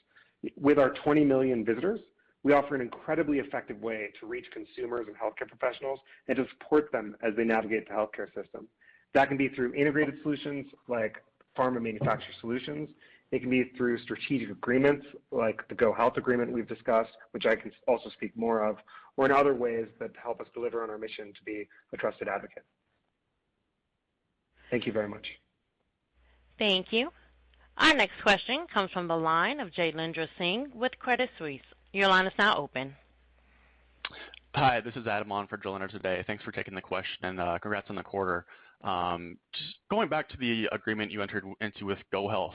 With our 20 million visitors, we offer an incredibly effective way to reach consumers and healthcare professionals and to support them as they navigate the healthcare system. That can be through integrated solutions like Pharma Manufacturer Solutions. It can be through strategic agreements like the GoHealth agreement we've discussed, which I can also speak more of, or in other ways that help us deliver on our mission to be a trusted advocate. Thank you very much. Thank you. Our next question comes from the line of Jailendra Singh with Credit Suisse. Your line is now open. Hi, this is Adam on for Jaylindr today. Thanks for taking the question, and congrats on the quarter. Just going back to the agreement you entered into with GoHealth.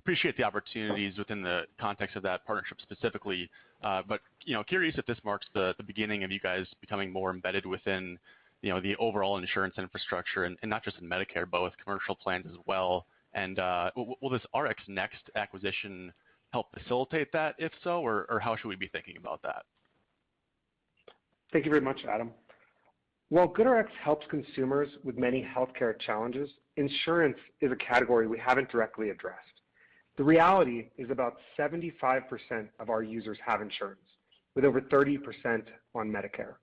Appreciate the opportunities within the context of that partnership specifically, but curious if this marks the beginning of you guys becoming more embedded within the overall insurance infrastructure, and not just in Medicare, but with commercial plans as well. Will this RxNXT acquisition help facilitate that, if so? How should we be thinking about that? Thank you very much, Adam. While GoodRx helps consumers with many healthcare challenges, insurance is a category we haven't directly addressed. The reality is about 75% of our users have insurance, with over 30% on Medicare.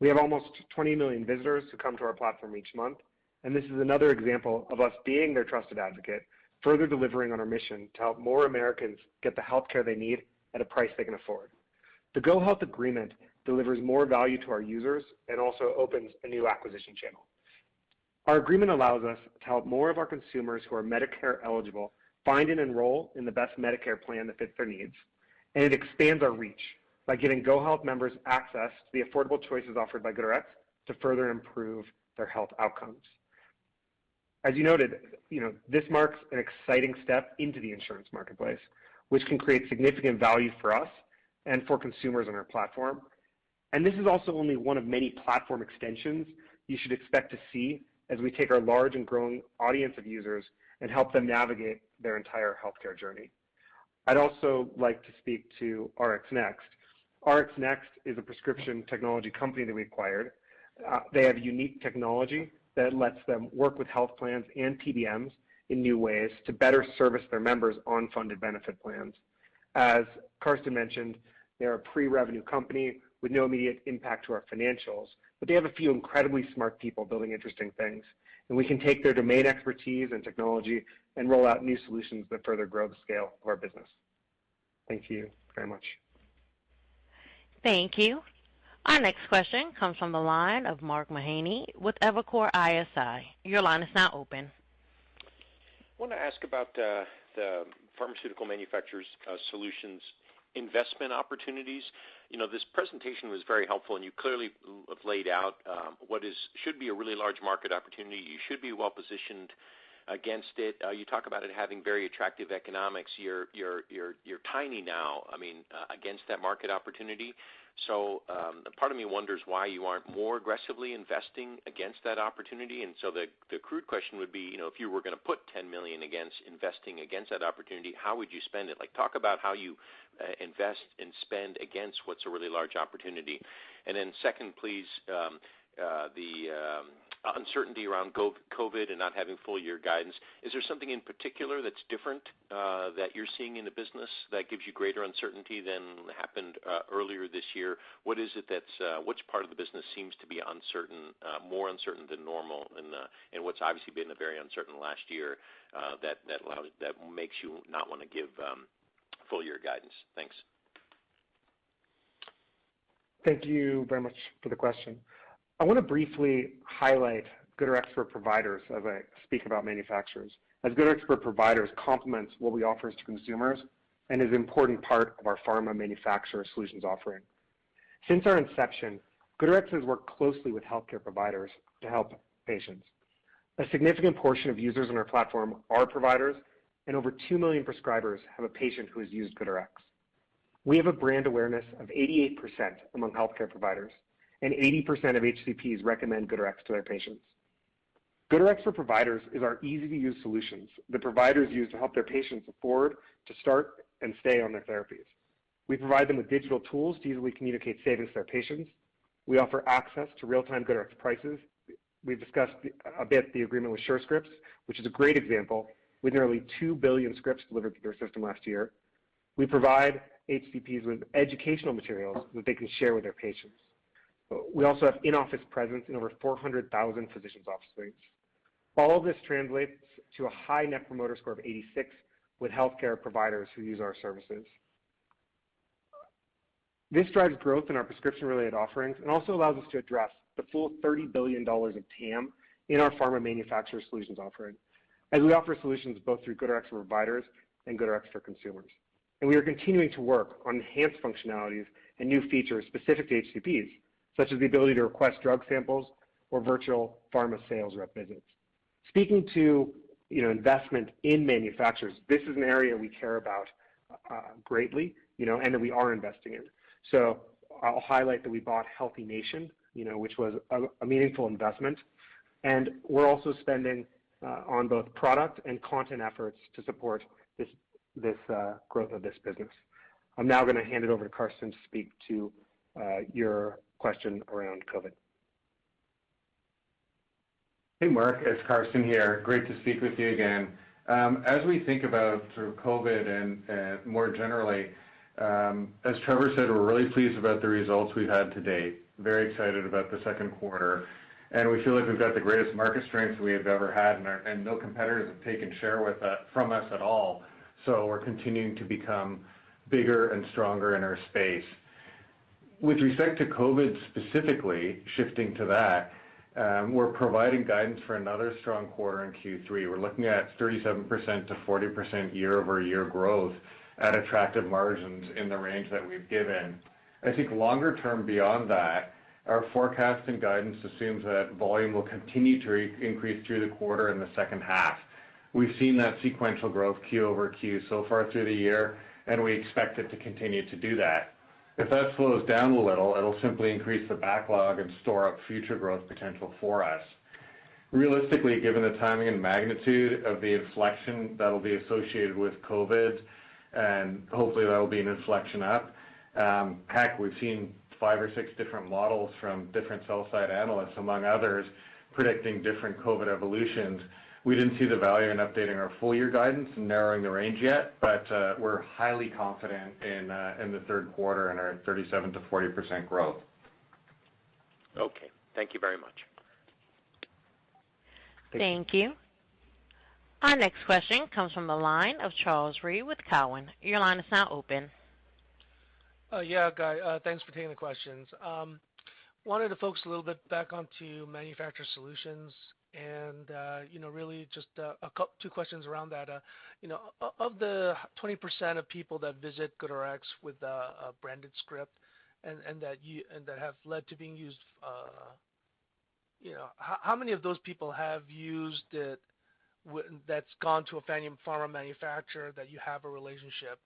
We have almost 20 million visitors who come to our platform each month. This is another example of us being their trusted advocate, further delivering on our mission to help more Americans get the healthcare they need at a price they can afford. The GoHealth agreement delivers more value to our users and also opens a new acquisition channel. Our agreement allows us to help more of our consumers who are Medicare-eligible find and enroll in the best Medicare plan that fits their needs. It expands our reach by giving GoHealth members access to the affordable choices offered by GoodRx to further improve their health outcomes. As you noted, this marks an exciting step into the insurance marketplace, which can create significant value for us and for consumers on our platform. This is also only one of many platform extensions you should expect to see as we take our large and growing audience of users and help them navigate their entire healthcare journey. I'd also like to speak to RxNXT. RxNXT is a prescription technology company that we acquired. They have unique technology that lets them work with health plans and PBMs in new ways to better service their members on funded benefit plans. As Carsten mentioned, they're a pre-revenue company with no immediate impact to our financials, but they have a few incredibly smart people building interesting things, and we can take their domain expertise and technology and roll out new solutions that further grow the scale of our business. Thank you very much. Thank you. Our next question comes from the line of Mark Mahaney with Evercore ISI. Your line is now open. I want to ask about the Pharma Manufacturer Solutions investment opportunities. This presentation was very helpful. You clearly have laid out what should be a really large market opportunity. You should be well-positioned against it. You talk about it having very attractive economics. You're tiny now, against that market opportunity. Part of me wonders why you aren't more aggressively investing against that opportunity. The crude question would be, if you were going to put $10 million against investing against that opportunity, how would you spend it? Talk about how you invest and spend against what's a really large opportunity. Second, please, the uncertainty around COVID and not having full-year guidance. Is there something in particular that's different that you're seeing in the business that gives you greater uncertainty than happened earlier this year? Which part of the business seems to be more uncertain than normal in what's obviously been a very uncertain last year that makes you not want to give full-year guidance? Thanks. Thank you very much for the question. I want to briefly highlight GoodRx for Providers as I speak about manufacturers, as GoodRx for Providers complements what we offer to consumers and is an important part of our Pharma Manufacturer Solutions offering. Since our inception, GoodRx has worked closely with healthcare providers to help patients. A significant portion of users on our platform are providers, and over two million prescribers have a patient who has used GoodRx. We have a brand awareness of 88% among healthcare providers, and 80% of HCPs recommend GoodRx to their patients. GoodRx for Providers is our easy-to-use solutions that providers use to help their patients afford, to start and stay on their therapies. We provide them with digital tools to easily communicate savings to their patients. We offer access to real-time GoodRx prices. We've discussed a bit the agreement with Surescripts, which is a great example, with nearly two billion scripts delivered through their system last year. We provide HCPs with educational materials that they can share with their patients. We also have in-office presence in over 400,000 physicians' offices. All of this translates to a high net promoter score of 86 with healthcare providers who use our services. This drives growth in our prescription-related offerings and also allows us to address the full $30 billion of TAM in our Pharma Manufacturer Solutions offering, as we offer solutions both through GoodRx for Providers and GoodRx for Consumers. We are continuing to work on enhanced functionalities and new features specific to HCPs, such as the ability to request drug samples or virtual pharma sales rep visits. Speaking to investment in manufacturers, this is an area we care about greatly, and that we are investing in. I'll highlight that we bought HealthiNation, which was a meaningful investment, and we're also spending on both product and content efforts to support this growth of this business. I'm now going to hand it over to Karsten to speak to your question around COVID. Hey, Mark. It's karsten here. Great to speak with you again. As we think about through COVID and more generally, as Trevor said, we're really pleased about the results we've had to date. Very excited about the second quarter, and we feel like we've got the greatest market strengths we have ever had, and no competitors have taken share from us at all, so we're continuing to become bigger and stronger in our space. With respect to COVID specifically, shifting to that, we're providing guidance for another strong quarter in Q3. We're looking at 37%-40% year-over-year growth at attractive margins in the range that we've given. I think longer term beyond that, our forecast and guidance assumes that volume will continue to increase through the quarter in the second half. We've seen that sequential growth Q over Q so far through the year, and we expect it to continue to do that. If that slows down a little, it'll simply increase the backlog and store up future growth potential for us. Realistically, given the timing and magnitude of the inflection that'll be associated with COVID, and hopefully, that'll be an inflection up. Heck, we've seen five or six different models from different sell-side analysts, among others, predicting different COVID evolutions. We didn't see the value in updating our full-year guidance and narrowing the range yet, but we're highly confident in the third quarter and our 37%-40% growth. Okay. Thank you very much. Thank you. Our next question comes from the line of Charles Rhyee with Cowen. Your line is now open. Yeah, guy. Thanks for taking the questions. I wanted to focus a little bit back onto Manufacturer Solutions and really just two questions around that. Of the 20% of people that visit GoodRx with a branded script and that have led to being used, how many of those people have used it that's gone to a pharma manufacturer that you have a relationship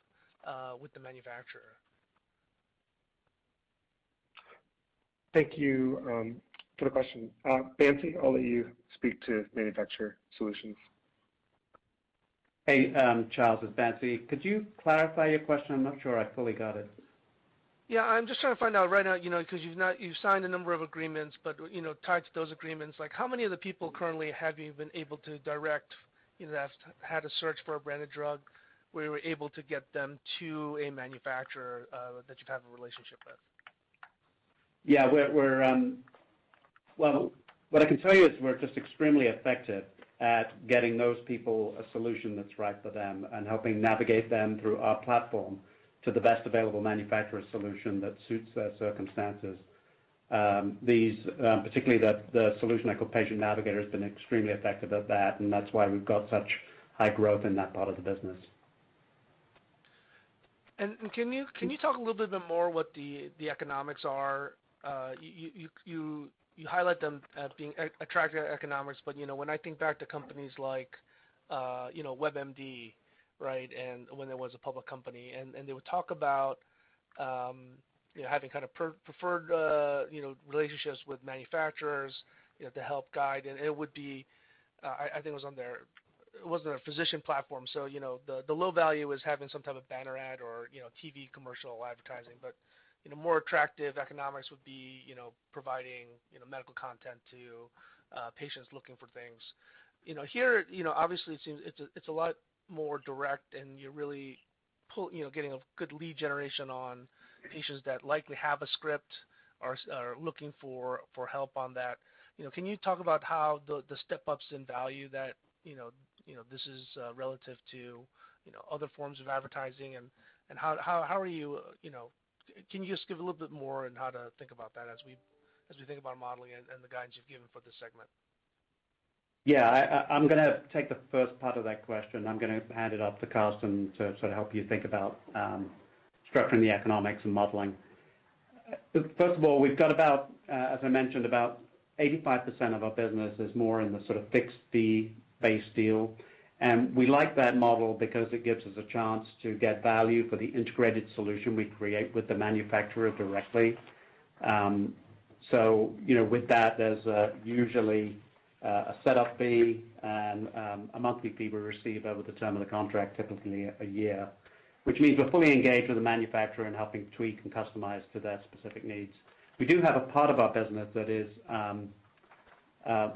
with the manufacturer? Thank you for the question. Bansi, I'll let you speak to Manufacturer Solutions. Hey, Charles. It's Bansi. Could you clarify your question? I'm not sure I fully got it. Yeah, I'm just trying to find out right now, because you've signed a number of agreements, but tied to those agreements, how many of the people currently have you been able to direct that have had a search for a branded drug, where you were able to get them to a manufacturer that you have a relationship with? Yeah. Well, what I can tell you is we're just extremely effective at getting those people a solution that's right for them and helping navigate them through our platform to the best available manufacturer solution that suits their circumstances. Particularly, the solution I call Patient Navigator has been extremely effective at that, and that's why we've got such high growth in that part of the business. Can you talk a little bit more what the economics are? You highlight them as being attractive economics, but when I think back to companies like WebMD, when it was a public company, and they would talk about having kind of preferred relationships with manufacturers to help guide, and I think it was on their, it wasn't a physician platform, so the low value was having some type of banner ad or TV commercial advertising. More attractive economics would be providing medical content to patients looking for things. Here, obviously, it seems it's a lot more direct and you're really getting a good lead generation on patients that likely have a script, are looking for help on that. Can you talk about how the step-ups in value that this is relative to other forms of advertising, and can you just give a little bit more in how to think about that as we think about modeling and the guidance you've given for this segment? Yeah. I'm going to take the first part of that question. I'm going to hand it off to Karsten to help you think about structuring the economics and modeling. First of all, we've got, as I mentioned, about 85% of our business is more in the fixed fee-based deal. We like that model because it gives us a chance to get value for the integrated solution we create with the manufacturer directly. With that, there's usually a setup fee and a monthly fee we receive over the term of the contract, typically a year, which means we're fully engaged with the manufacturer in helping tweak and customize to their specific needs. We do have a part of our business that is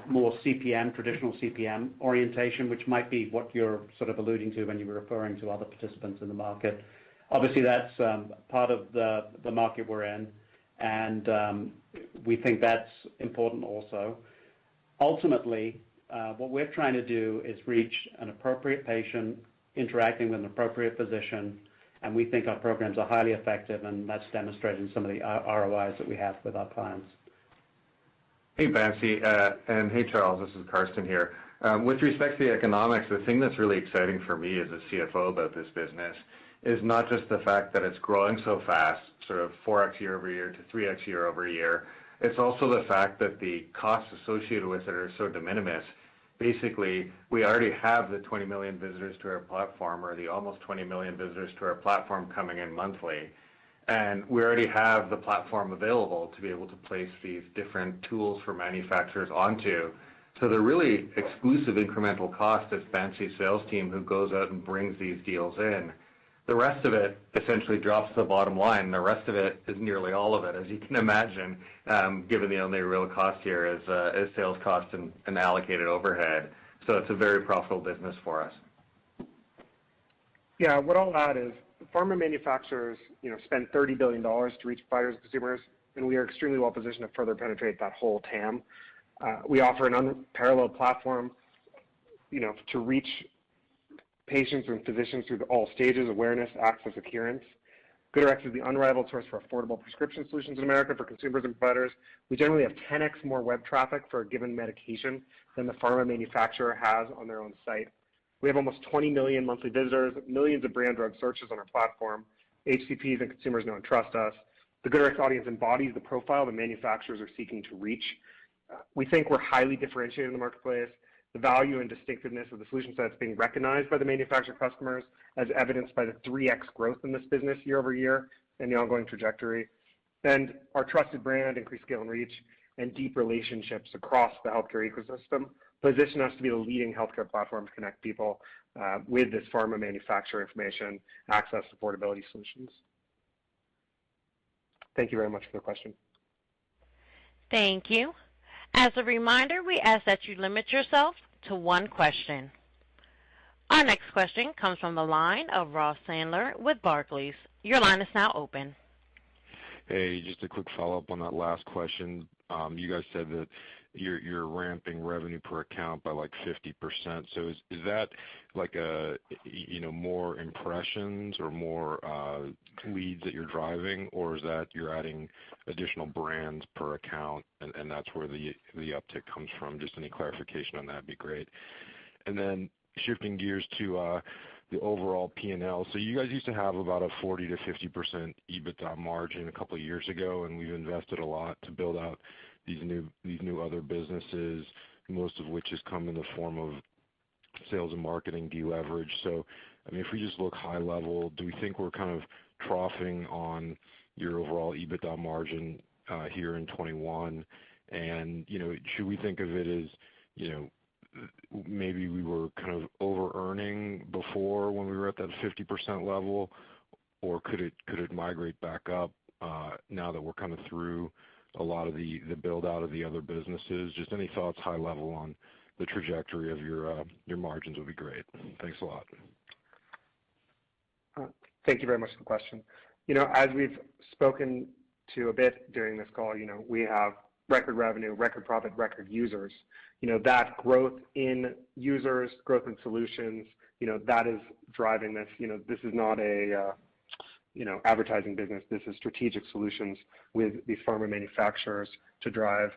more traditional CPM orientation, which might be what you're alluding to when you were referring to other participants in the market. Obviously, that's part of the market we're in, and we think that's important also. Ultimately, what we're trying to do is reach an appropriate patient interacting with an appropriate physician, and we think our programs are highly effective, and that's demonstrated in some of the ROIs that we have with our clients. Hey, Bansi, and hey, Charles. This is Karsten here. With respect to the economics, the thing that's really exciting for me as a CFO about this business is not just the fact that it's growing so fast, sort of 4x year-over-year to 3x year-over-year. It's also the fact that the costs associated with it are so de minimis. Basically, we already have the 20 million visitors to our platform, or the almost 20 million visitors to our platform coming in monthly. We already have the platform available to be able to place these different tools for manufacturers onto. The really exclusive incremental cost is Bansi's sales team who goes out and brings these deals in. The rest of it essentially drops to the bottom line. The rest of it is nearly all of it, as you can imagine, given the only real cost here is sales cost and allocated overhead. It's a very profitable business for us. What I'll add is pharma manufacturers spend $30 billion to reach buyers and consumers. We are extremely well-positioned to further penetrate that whole TAM. We offer an unparalleled platform to reach patients and physicians through all stages, awareness, access, adherence. GoodRx is the unrivaled source for affordable prescription solutions in America for consumers and providers. We generally have 10x more web traffic for a given medication than the pharma manufacturer has on their own site. We have almost 20 million monthly visitors, millions of brand drug searches on our platform. HCPs and consumers know and trust us. The GoodRx audience embodies the profile the manufacturers are seeking to reach. We think we're highly differentiated in the marketplace. The value and distinctiveness of the solution set's being recognized by the manufacturer customers, as evidenced by the 3x growth in this business year-over-year and the ongoing trajectory. Our trusted brand, increased scale and reach, and deep relationships across the healthcare ecosystem position us to be the leading healthcare platform to connect people with this pharma manufacturer information, access, affordability solutions. Thank you very much for the question. Thank you. As a reminder, we ask that you limit yourself to one question. Our next question comes from the line of Ross Sandler with Barclays. Your line is now open. Hey, just a quick follow-up on that last question. You guys said that you're ramping revenue per account by 50%. Is that more impressions or more leads that you're driving, or is it that you're adding additional brands per account and that's where the uptick comes from? Just any clarification on that'd be great. Then shifting gears to the overall P&L. You guys used to have about a 40%-50% EBITDA margin a couple of years ago, and you've invested a lot to build out these new other businesses, most of which has come in the form of sales and marketing deleverage. If we just look high level, do we think we're kind of troughing on your overall EBITDA margin here in 2021? Should we think of it as maybe we were kind of overearning before when we were at that 50% level? Could it migrate back up, now that we're coming through a lot of the build-out of the other businesses? Just any thoughts, high level, on the trajectory of your margins would be great. Thanks a lot. Thank you very much for the question. As we've spoken to a bit during this call, we have record revenue, record profit, record users. That growth in users, growth in solutions, that is driving this. This is not an advertising business. This is strategic solutions with these pharma manufacturers to drive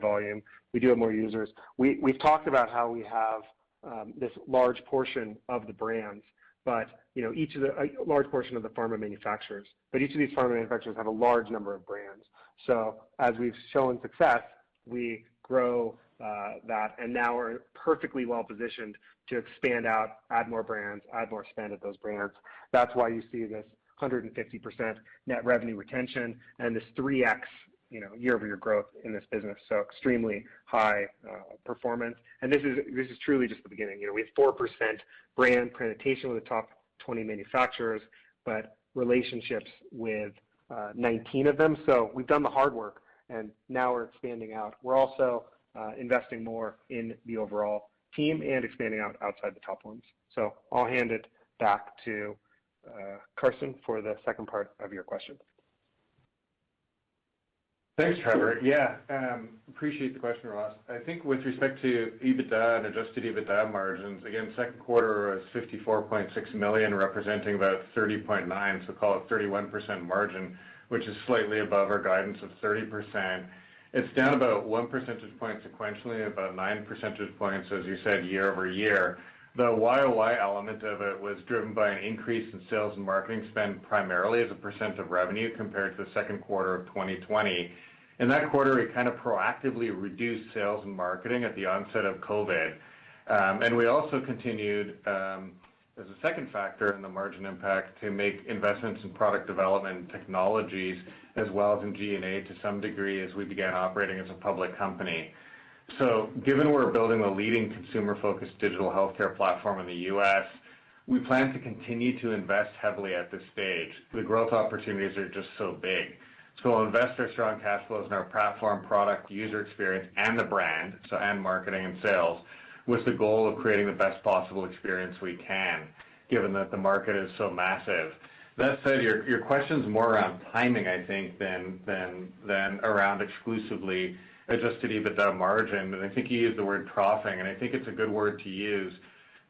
volume. We do have more users. We've talked about how we have this large portion of the pharma manufacturers, but each of these pharma manufacturers have a large number of brands. As we've shown success, we grow that, and now we're perfectly well-positioned to expand out, add more brands, add more spend at those brands. That's why you see this 150% net revenue retention and this 3x year-over-year growth in this business, so extremely high performance. This is truly just the beginning. We have 4% brand penetration with the top 20 manufacturers, but relationships with 19 of them. We've done the hard work, and now we're expanding out. We're also investing more in the overall team and expanding out outside the top ones. I'll hand it back to Carsten for the second part of your question. Thanks, Trevor. Yeah. Appreciate the question, Ross. I think with respect to EBITDA and adjusted EBITDA margins, again, second quarter was $54.6 million, representing about 30.9%, so call it 31% margin, which is slightly above our guidance of 30%. It's down about one percentage point sequentially, about nine percentage points, as you said, year-over-year. The Y-o-Y element of it was driven by an increase in sales and marketing spend, primarily as a % of revenue compared to the second quarter of 2020. In that quarter, we kind of proactively reduced sales and marketing at the onset of COVID. We also continued, as a second factor in the margin impact, to make investments in product development and technologies as well as in G&A to some degree as we began operating as a public company. Given we're building a leading consumer-focused digital healthcare platform in the U.S., we plan to continue to invest heavily at this stage. The growth opportunities are just so big. We'll invest our strong cash flows in our platform, product, user experience, and the brand, and marketing and sales, with the goal of creating the best possible experience we can, given that the market is so massive. That said, your question's more around timing, I think, than around exclusively adjusted EBITDA margin. I think you used the word profiting, and I think it's a good word to use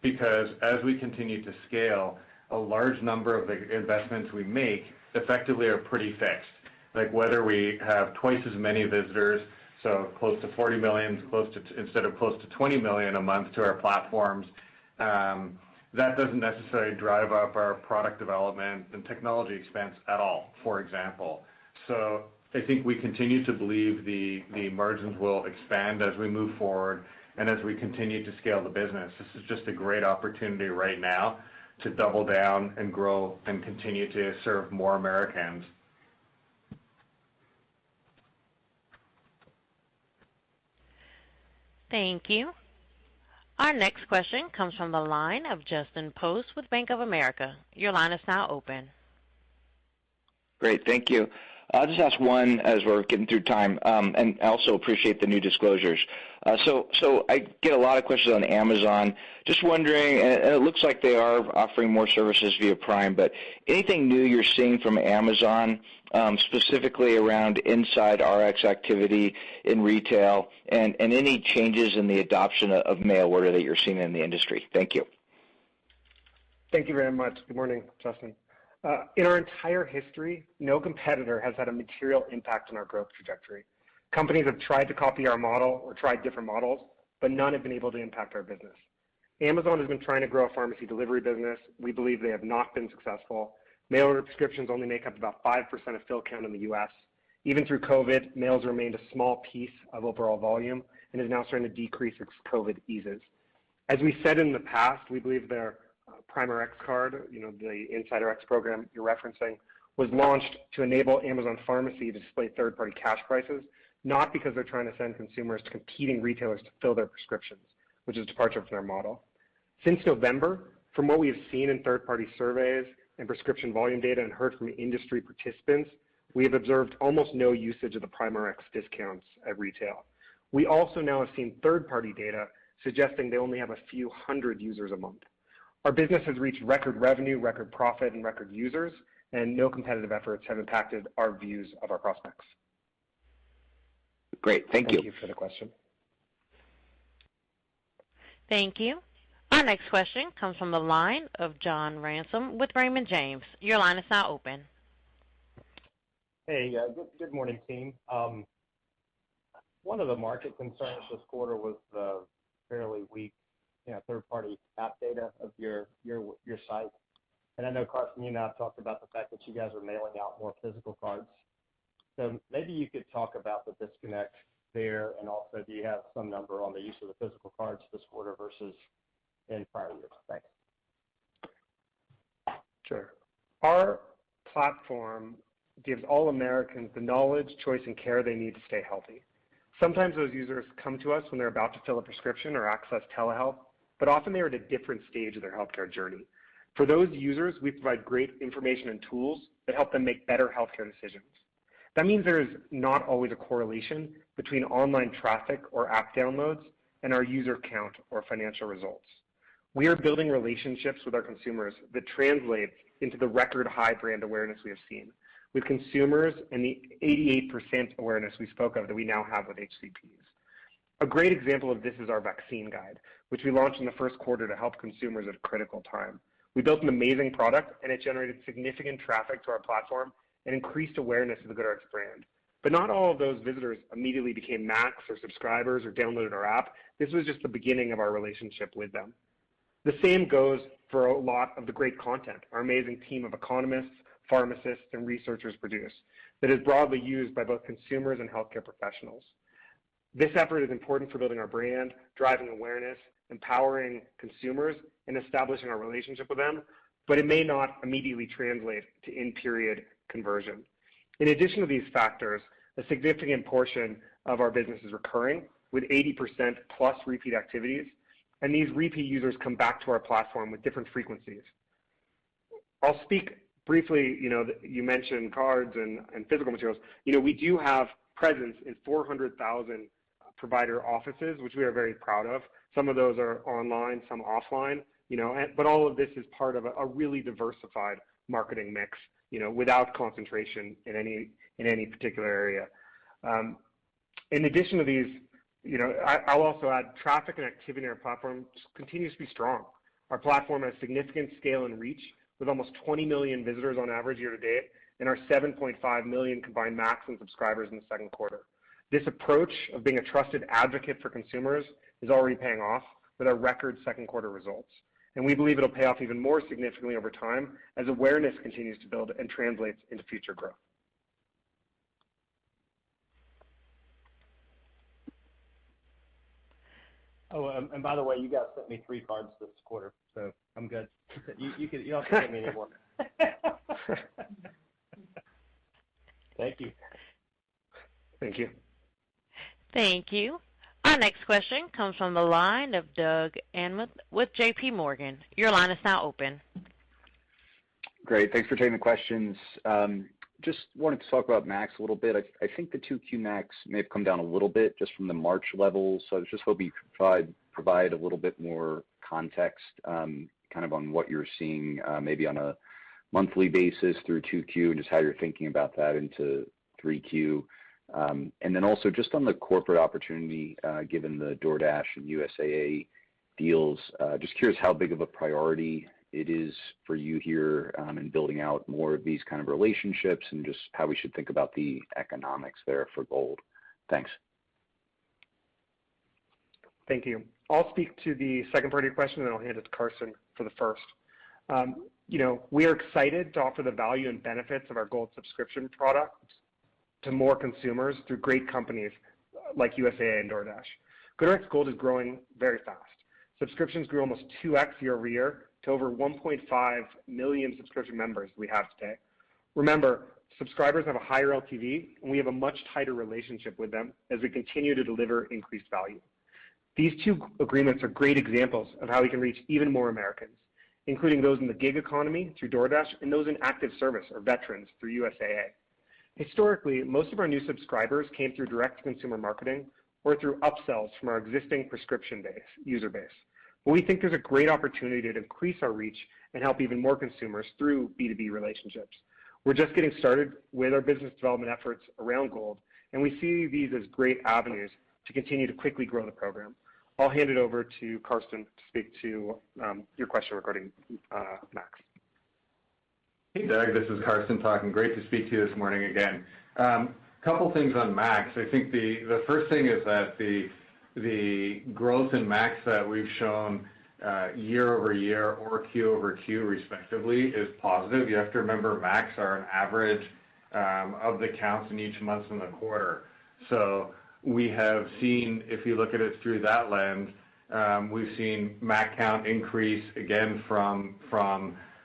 because as we continue to scale, a large number of the investments we make effectively are pretty fixed. Like whether we have twice as many visitors, so close to 40 million instead of close to 20 million a month to our platforms, that doesn't necessarily drive up our product development and technology expense at all, for example. I think we continue to believe the margins will expand as we move forward and as we continue to scale the business. This is just a great opportunity right now to double down and grow and continue to serve more Americans. Thank you. Our next question comes from the line of Justin Post with Bank of America. Your line is now open. Great, thank you. I'll just ask one as we're getting through time, and I also appreciate the new disclosures. I get a lot of questions on Amazon. Just wondering, and it looks like they are offering more services via Prime, but anything new you're seeing from Amazon, specifically around Inside Rx activity in retail and any changes in the adoption of mail order that you're seeing in the industry? Thank you. Thank you very much. Good morning, Justin. In our entire history, no competitor has had a material impact on our growth trajectory. Companies have tried to copy our model or tried different models, none have been able to impact our business. Amazon has been trying to grow a pharmacy delivery business. We believe they have not been successful. Mail prescriptions only make up about 5% of fill count in the U.S. Even through COVID, mails remained a small piece of overall volume and is now starting to decrease as COVID eases. As we said in the past, we believe their Prime Rx card, the Inside Rx program you're referencing, was launched to enable Amazon Pharmacy to display third-party cash prices, not because they're trying to send consumers to competing retailers to fill their prescriptions, which is a departure from their model. Since November, from what we have seen in third-party surveys and prescription volume data and heard from industry participants, we have observed almost no usage of the Prime Rx discounts at retail. We also now have seen third-party data suggesting they only have a few hundred users a month. Our business has reached record revenue, record profit, and record users. No competitive efforts have impacted our views of our prospects. Great. Thank you. Thank you for the question. Thank you. Our next question comes from the line of John Ransom with Raymond James. Your line is now open. Hey, good morning, team. One of the market concerns this quarter was the fairly weak third-party app data of your site. I know, Karsten, you and I have talked about the fact that you guys are mailing out more physical cards. Maybe you could talk about the disconnect there, and also, do you have some number on the use of the physical cards this quarter versus in prior years? Thanks. Sure. Our platform gives all Americans the knowledge, choice, and care they need to stay healthy. Sometimes those users come to us when they're about to fill a prescription or access telehealth, but often they are at a different stage of their healthcare journey. For those users, we provide great information and tools that help them make better healthcare decisions. That means there is not always a correlation between online traffic or app downloads and our user count or financial results. We are building relationships with our consumers that translate into the record high brand awareness we have seen with consumers and the 88% awareness we spoke of that we now have with HCPs. A great example of this is our vaccine guide, which we launched in the first quarter to help consumers at a critical time. We built an amazing product, and it generated significant traffic to our platform and increased awareness of the GoodRx brand. Not all of those visitors immediately became MACs or subscribers or downloaded our app. This was just the beginning of our relationship with them. The same goes for a lot of the great content our amazing team of economists, pharmacists, and researchers produce that is broadly used by both consumers and healthcare professionals. This effort is important for building our brand, driving awareness, empowering consumers, and establishing a relationship with them, but it may not immediately translate to in-period conversion. In addition to these factors, a significant portion of our business is recurring, with 80%+ repeat activities, and these repeat users come back to our platform with different frequencies. I'll speak briefly, you mentioned cards and physical materials. We do have presence in 400,000 provider offices, which we are very proud of. Some of those are online, some offline. All of this is part of a really diversified marketing mix, without concentration in any particular area. In addition to these, I'll also add traffic and activity on our platform continues to be strong. Our platform has significant scale and reach, with almost 20 million visitors on average year to date, and our 7.5 million combined MACs and subscribers in the second quarter. This approach of being a trusted advocate for consumers is already paying off with our record second quarter results, and we believe it'll pay off even more significantly over time as awareness continues to build and translates into future growth. By the way, you guys sent me three cards this quarter, so I'm good. You all can't send me any more. Thank you. Thank you. Thank you. Our next question comes from the line of Doug Anmuth with J.P. Morgan. Your line is now open. Great. Thanks for taking the questions. Just wanted to talk about MACs a little bit. I think the 2Q MACs may have come down a little bit just from the March levels. I just hope you could provide a little bit more context, kind of on what you're seeing, maybe on a monthly basis through 2Q and just how you're thinking about that into 3Q. Also just on the corporate opportunity, given the DoorDash and USAA deals, just curious how big of a priority it is for you here in building out more of these kind of relationships and just how we should think about the economics there for Gold. Thanks. Thank you. I'll speak to the second part of your question. I'll hand it to Karsten for the first. We are excited to offer the value and benefits of our GoodRx Gold subscription product to more consumers through great companies like USAA and DoorDash. GoodRx Gold is growing very fast. Subscriptions grew almost 2x year-over-year to over 1.5 million subscription members we have today. Remember, subscribers have a higher LTV. We have a much tighter relationship with them as we continue to deliver increased value. These two agreements are great examples of how we can reach even more Americans, including those in the gig economy through DoorDash and those in active service or veterans through USAA. Historically, most of our new subscribers came through direct-to-consumer marketing or through upsells from our existing prescription user base. We think there's a great opportunity to increase our reach and help even more consumers through B2B relationships. We're just getting started with our business development efforts around Gold, and we see these as great avenues to continue to quickly grow the program. I'll hand it over to Karsten to speak to your question regarding MACs. Hey, Doug, this is Karsten talking. Great to speak to you this morning again. Couple things on MACs. I think the first thing is that the growth in MACs that we've shown year-over-year or Q-over-Q respectively is positive. You have to remember, MACs are an average of the counts in each month in the quarter. We have seen, if you look at it through that lens, we've seen MACs count increase again from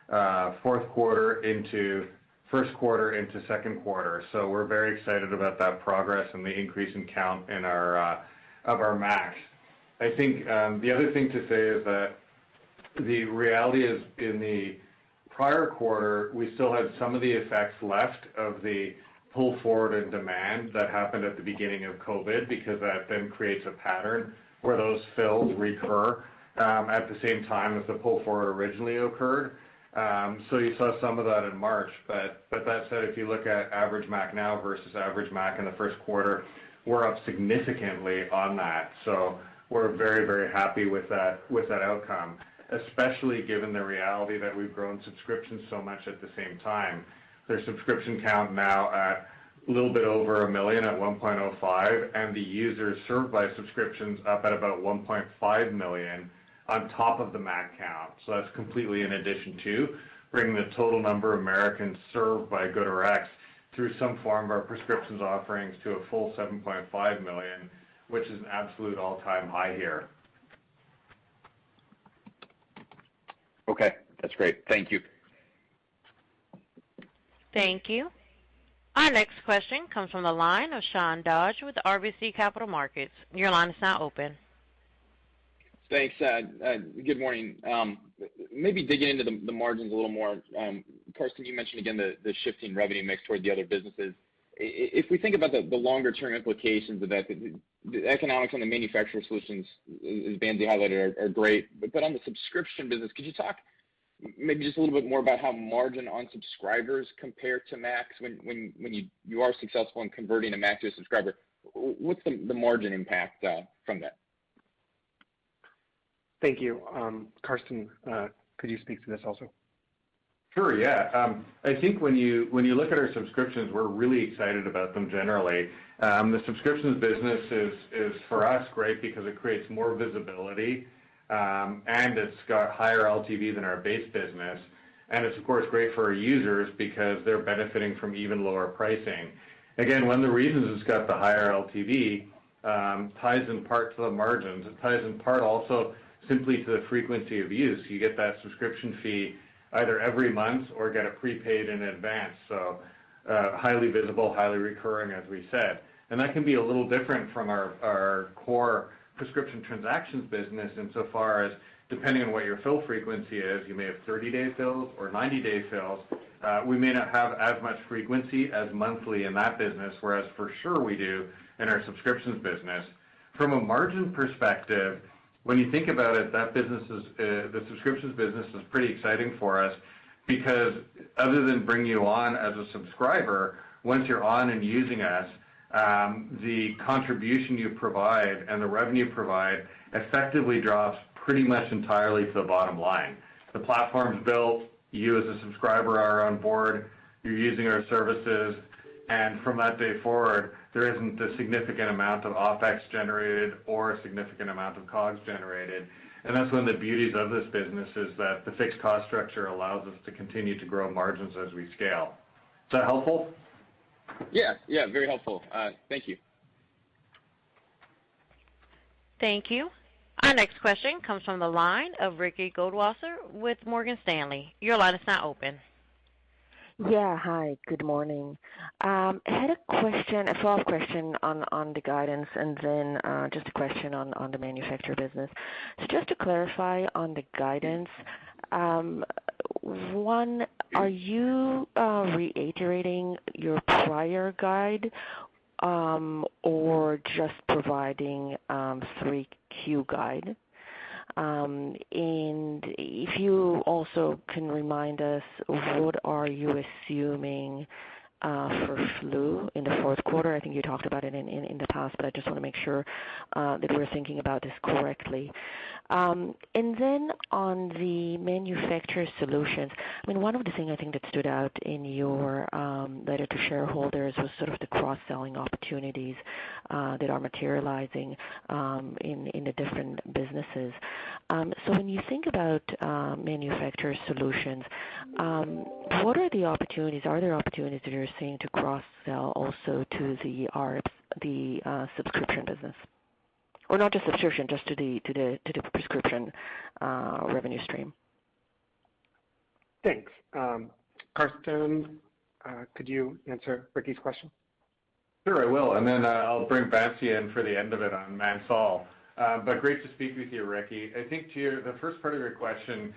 first quarter into second quarter. We're very excited about that progress and the increase in count of our MACs. I think, the other thing to say is that the reality is in the prior quarter, we still had some of the effects left of the pull forward in demand that happened at the beginning of COVID, that creates a pattern where those fills recur, at the same time as the pull forward originally occurred. You saw some of that in March, that said, if you look at average MACs now versus average MACs in the first quarter, we're up significantly on that. We're very, very happy with that outcome, especially given the reality that we've grown subscriptions so much at the same time. Their subscription count now at a little bit over 1 million at 1.05, and the users served by subscriptions up at about 1.5 million on top of the MACs count. That's completely in addition to bringing the total number of Americans served by GoodRx through some form of our prescriptions offerings to a full 7.5 million, which is an absolute all-time high here. Okay. That's great. Thank you. Thank you. Our next question comes from the line of Sean Dodge with RBC Capital Markets. Your line is now open. Thanks. Good morning. Maybe digging into the margins a little more. Karsten, you mentioned again the shifting revenue mix toward the other businesses. If we think about the longer-term implications of that, the economics on the Manufacturer Solutions, as Bansi Nagji highlighted, are great. On the subscription business, could you talk maybe just a little bit more about how margin on subscribers compare to MACs when you are successful in converting a MAC to a subscriber? What's the margin impact from that? Thank you. Karsten, could you speak to this also? Sure, yeah. I think when you look at our subscriptions, we're really excited about them generally. The subscriptions business is, for us, great because it creates more visibility, and it's got higher LTV than our base business. It's, of course, great for our users because they're benefiting from even lower pricing. Again, one of the reasons it's got the higher LTVTies in part to the margins. It ties in part also simply to the frequency of use. You get that subscription fee either every month or get it prepaid in advance. Highly visible, highly recurring, as we said. That can be a little different from our core prescription transactions business, insofar as, depending on what your fill frequency is, you may have 30-day fills or 90-day fills. We may not have as much frequency as monthly in that business, whereas for sure we do in our subscriptions business. From a margin perspective, when you think about it, the subscriptions business is pretty exciting for us because other than bringing you on as a subscriber, once you're on and using us, the contribution you provide and the revenue you provide effectively drops pretty much entirely to the bottom line. The platform's built, you as a subscriber are on board, you're using our services, and from that day forward, there isn't a significant amount of OpEx generated or a significant amount of COGS generated. That's one of the beauties of this business is that the fixed cost structure allows us to continue to grow margins as we scale. Is that helpful? Yeah. Very helpful. Thank you. Thank you. Our next question comes from the line of Ricky Goldwasser with Morgan Stanley. Your line is now open. Yeah. Hi, good morning. I had a follow-up question on the guidance and then just a question on the Manufacturer Solutions. Just to clarify on the guidance, 1, are you reiterating your prior guide, or just providing 3Q guide? If you also can remind us what are you assuming for flu in the fourth quarter? I think you talked about it in the past, but I just want to make sure that we're thinking about this correctly. On the Manufacturer Solutions, one of the things I think that stood out in your letter to shareholders was sort of the cross-selling opportunities that are materializing in the different businesses. When you think about Manufacturer Solutions, what are the opportunities? Are there opportunities that you're seeing to cross-sell also to the subscription business? Not just subscription, just to the prescription revenue stream. Thanks. Karsten, could you answer Ricky's question? I'll bring Bansi Nagji in for the end of it on Mansal. Great to speak with you, Ricky Goldwasser. I think to the first part of your question,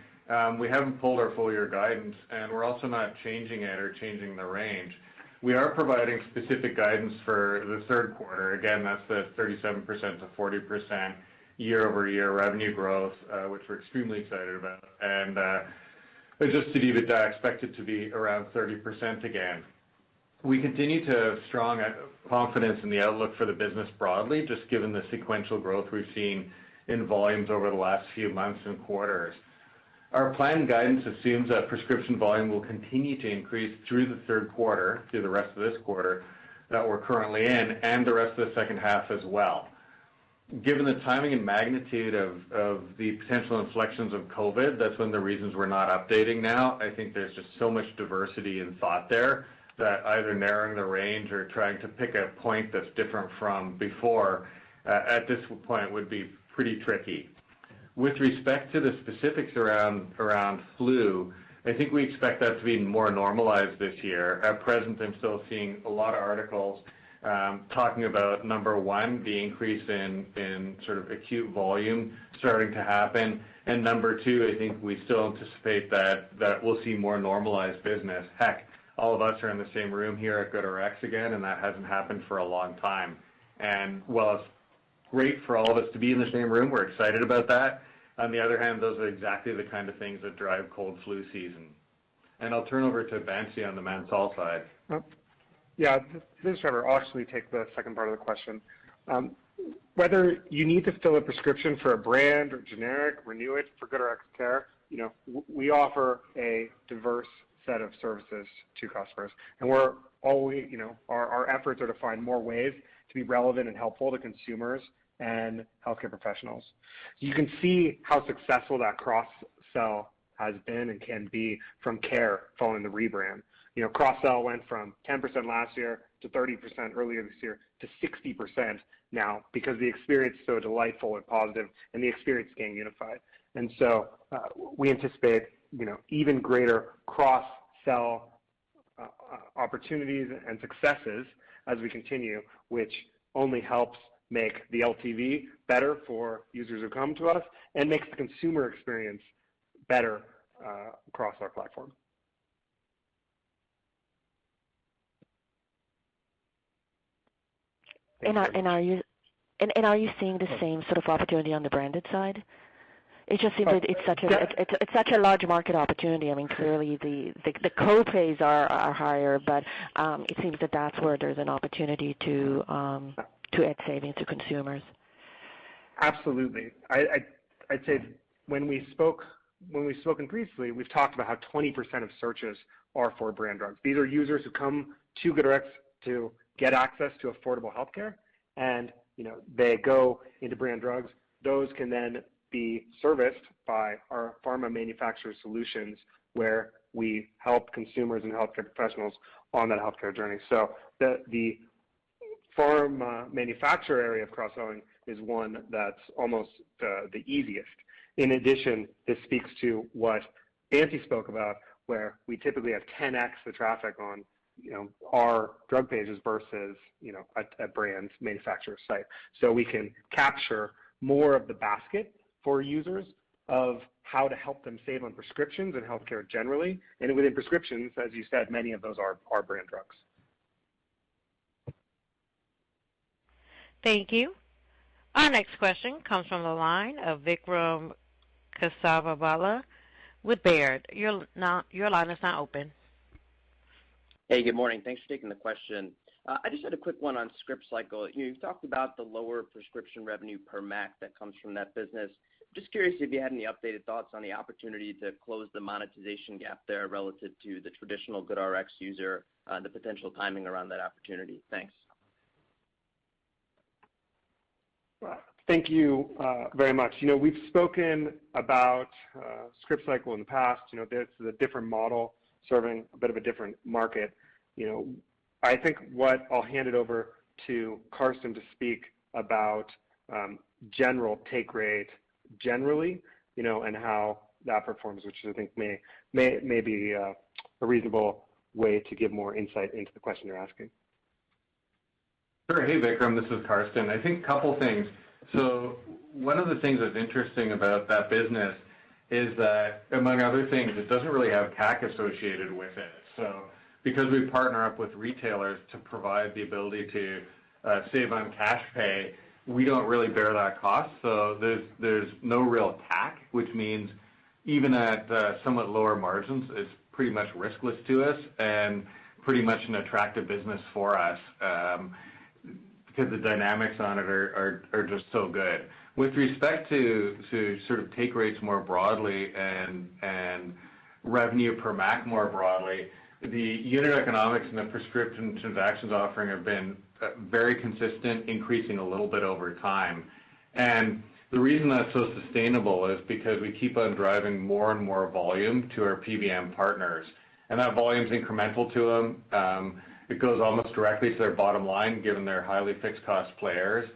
we haven't pulled our full-year guidance, and we're also not changing it or changing the range. We are providing specific guidance for the third quarter. Again, that's the 37%-40% year-over-year revenue growth, which we're extremely excited about. Adjusted EBITDA expected to be around 30% again. We continue to have strong confidence in the outlook for the business broadly, just given the sequential growth we've seen in volumes over the last few months and quarters. Our planned guidance assumes that prescription volume will continue to increase through the third quarter, through the rest of this quarter that we're currently in, and the rest of the second half as well. Given the timing and magnitude of the potential inflections of COVID, that's one of the reasons we're not updating now. I think there's just so much diversity in thought there that either narrowing the range or trying to pick a point that's different from before, at this point would be pretty tricky. With respect to the specifics around flu, I think we expect that to be more normalized this year. At present, I'm still seeing a lot of articles talking about, number 1, the increase in acute volume starting to happen, and number two, I think we still anticipate that we'll see more normalized business. Heck, all of us are in the same room here at GoodRx again, and that hasn't happened for a long time. While it's great for all of us to be in the same room, we're excited about that. On the other hand, those are exactly the kind of things that drive cold, flu season. I'll turn over to Bansi on the Manufacturer Solutions side. Yeah. This is Trevor. I'll actually take the second part of the question. Whether you need to fill a prescription for a brand or generic, renew it for GoodRx Care, we offer a diverse set of services to customers. Our efforts are to find more ways to be relevant and helpful to consumers and healthcare professionals. You can see how successful that cross-sell has been and can be from Care following the rebrand. Cross-sell went from 10% last year to 30% earlier this year to 60% now because the experience is so delightful and positive, and the experience is getting unified. We anticipate even greater cross-sell opportunities and successes as we continue, which only helps make the LTV better for users who come to us and makes the consumer experience better across our platform. Are you seeing the same sort of opportunity on the branded side? It's such a large market opportunity. Clearly, the co-pays are higher. It seems that that's where there's an opportunity to add savings to consumers. Absolutely. I'd say when we've spoken previously, we've talked about how 20% of searches are for brand drugs. These are users who come to GoodRx to get access to affordable healthcare, and they go into brand drugs. Those can then be serviced by our Pharma Manufacturer Solutions, where we help consumers and healthcare professionals on that healthcare journey. The Pharma Manufacturer area of cross-selling is one that's almost the easiest. In addition, this speaks to what Bansi Nagji spoke about, where we typically have 10X the traffic on our drug pages versus a brand manufacturer's site. We can capture more of the basket for users of how to help them save on prescriptions and healthcare generally. Within prescriptions, as you said, many of those are brand drugs. Thank you. Our next question comes from the line of Vikram Kesavabhotla with Baird. Your line is now open. Hey, good morning. Thanks for taking the question. I just had a quick one on Scriptcycle. You've talked about the lower prescription revenue per MAC that comes from that business. Just curious if you had any updated thoughts on the opportunity to close the monetization gap there relative to the traditional GoodRx user, the potential timing around that opportunity. Thanks. Thank you very much. We've spoken about Scriptcycle in the past. It's a different model serving a bit of a different market. I think what I'll hand it over to Carsten to speak about general take rate generally, and how that performs, which I think may be a reasonable way to give more insight into the question you're asking. Sure. Hey, Vikram, this is Karsten. I think couple things. One of the things that's interesting about that business is that, among other things, it doesn't really have CAC associated with it. Because we partner up with retailers to provide the ability to save on cash pay, we don't really bear that cost. There's no real CAC, which means even at somewhat lower margins, it's pretty much riskless to us and pretty much an attractive business for us, because the dynamics on it are just so good. With respect to sort of take rates more broadly and revenue per MAC more broadly, the unit economics and the prescription transactions offering have been very consistent, increasing a little bit over time. The reason that's so sustainable is because we keep on driving more and more volume to our PBM partners, and that volume's incremental to them. It goes almost directly to their bottom line, given they're highly fixed cost players.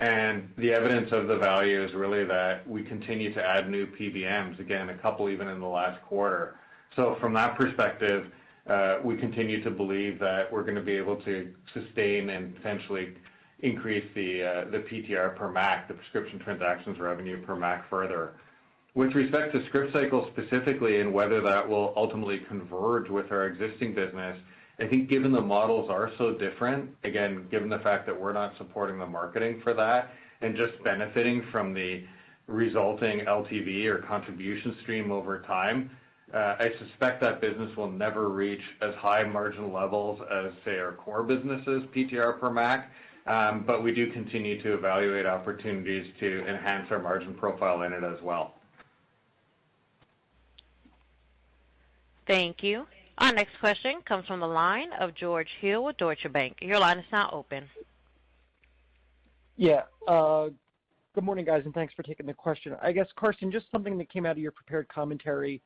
The evidence of the value is really that we continue to add new PBMs, again, a couple even in the last quarter. From that perspective, we continue to believe that we're going to be able to sustain and potentially increase the PTR per MAC, the prescription transactions revenue per MAC further. With respect to Scriptcycle specifically and whether that will ultimately converge with our existing business, I think given the models are so different, again, given the fact that we're not supporting the marketing for that and just benefiting from the resulting LTV or contribution stream over time, I suspect that business will never reach as high margin levels as, say, our core business' PTR per MAC. We do continue to evaluate opportunities to enhance our margin profile in it as well. Thank you. Our next question comes from the line of George Hill with Deutsche Bank. Yeah. Good morning, guys, and thanks for taking the question. I guess, Karsten, just something that came out of your prepared commentary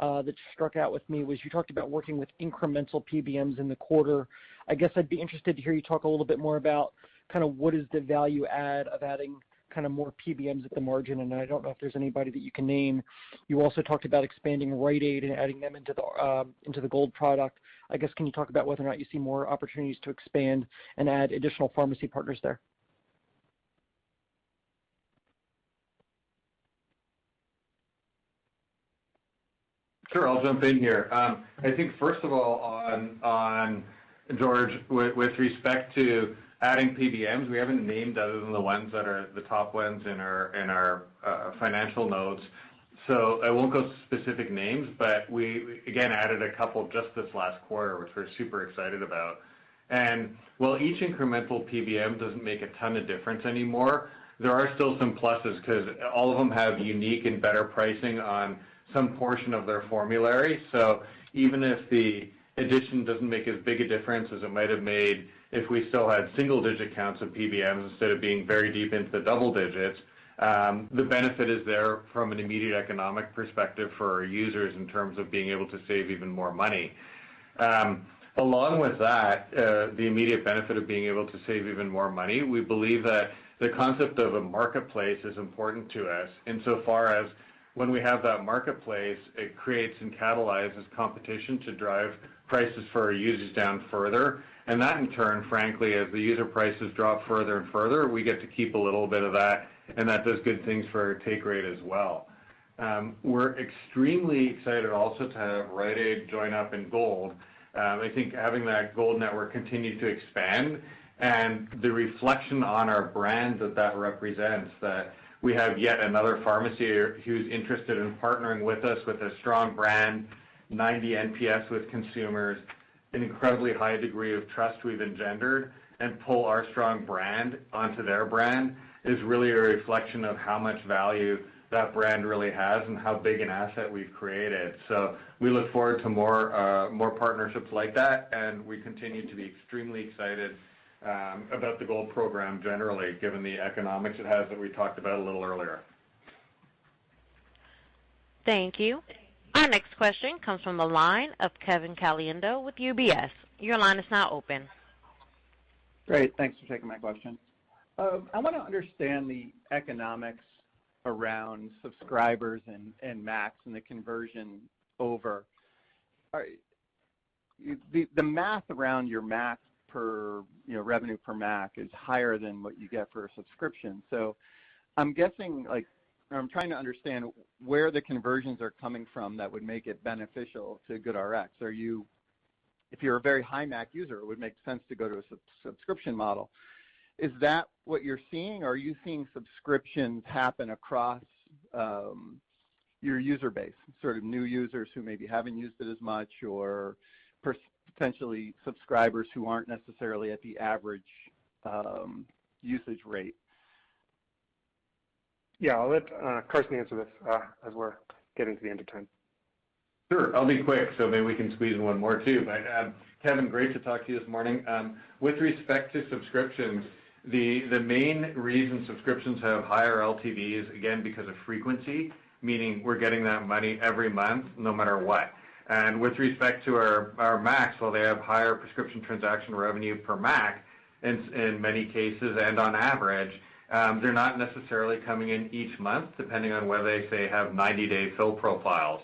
that struck out with me was you talked about working with incremental PBMs in the quarter. I guess I'd be interested to hear you talk a little bit more about what is the value add of adding more PBMs at the margin, and I don't know if there's anybody that you can name. You also talked about expanding Rite Aid and adding them into the Gold product. I guess, can you talk about whether or not you see more opportunities to expand and add additional pharmacy partners there? Sure. I'll jump in here. I think first of all, George, with respect to adding PBMs, we haven't named other than the ones that are the top ones in our financial notes. I won't go specific names, but we again added a couple just this last quarter, which we're super excited about. While each incremental PBM doesn't make a ton of difference anymore, there are still some pluses because all of them have unique and better pricing on some portion of their formulary. Even if the addition doesn't make as big a difference as it might have made, if we still had single-digit counts of PBMs instead of being very deep into the double digits, the benefit is there from an immediate economic perspective for our users in terms of being able to save even more money. Along with that, the immediate benefit of being able to save even more money, we believe that the concept of a marketplace is important to us insofar as when we have that marketplace, it creates and catalyzes competition to drive prices for our users down further. That in turn, frankly, as the user prices drop further and further, we get to keep a little bit of that, and that does good things for our take rate as well. We're extremely excited also to have Rite Aid join up in Gold. I think having that Gold network continue to expand and the reflection on our brand that represents that we have yet another pharmacy who's interested in partnering with us with a strong brand, 90 NPS with consumers, an incredibly high degree of trust we've engendered and pull our strong brand onto their brand, is really a reflection of how much value that brand really has and how big an asset we've created. We look forward to more partnerships like that, and we continue to be extremely excited about the Gold program generally, given the economics it has that we talked about a little earlier. Thank you. Our next question comes from the line of Kevin Caliendo with UBS. Your line is now open. Great. Thanks for taking my question. I want to understand the economics around subscribers and MACs and the conversion over. The math around your revenue per MAC is higher than what you get for a subscription. I'm trying to understand where the conversions are coming from that would make it beneficial to GoodRx. If you're a very high MAC user, it would make sense to go to a subscription model. Is that what you're seeing, or are you seeing subscriptions happen across your user base, sort of new users who maybe haven't used it as much, or potentially subscribers who aren't necessarily at the average usage rate? Yeah. I'll let Karsten answer this, as we're getting to the end of time. Sure. I'll be quick. Maybe we can squeeze in one more, too. Kevin, great to talk to you this morning. With respect to subscriptions, the main reason subscriptions have higher LTV is, again, because of frequency, meaning we're getting that money every month no matter what. With respect to our MACs, while they have higher prescription transaction revenue per MAC, in many cases and on average, they're not necessarily coming in each month, depending on whether they, say, have 90-day fill profiles.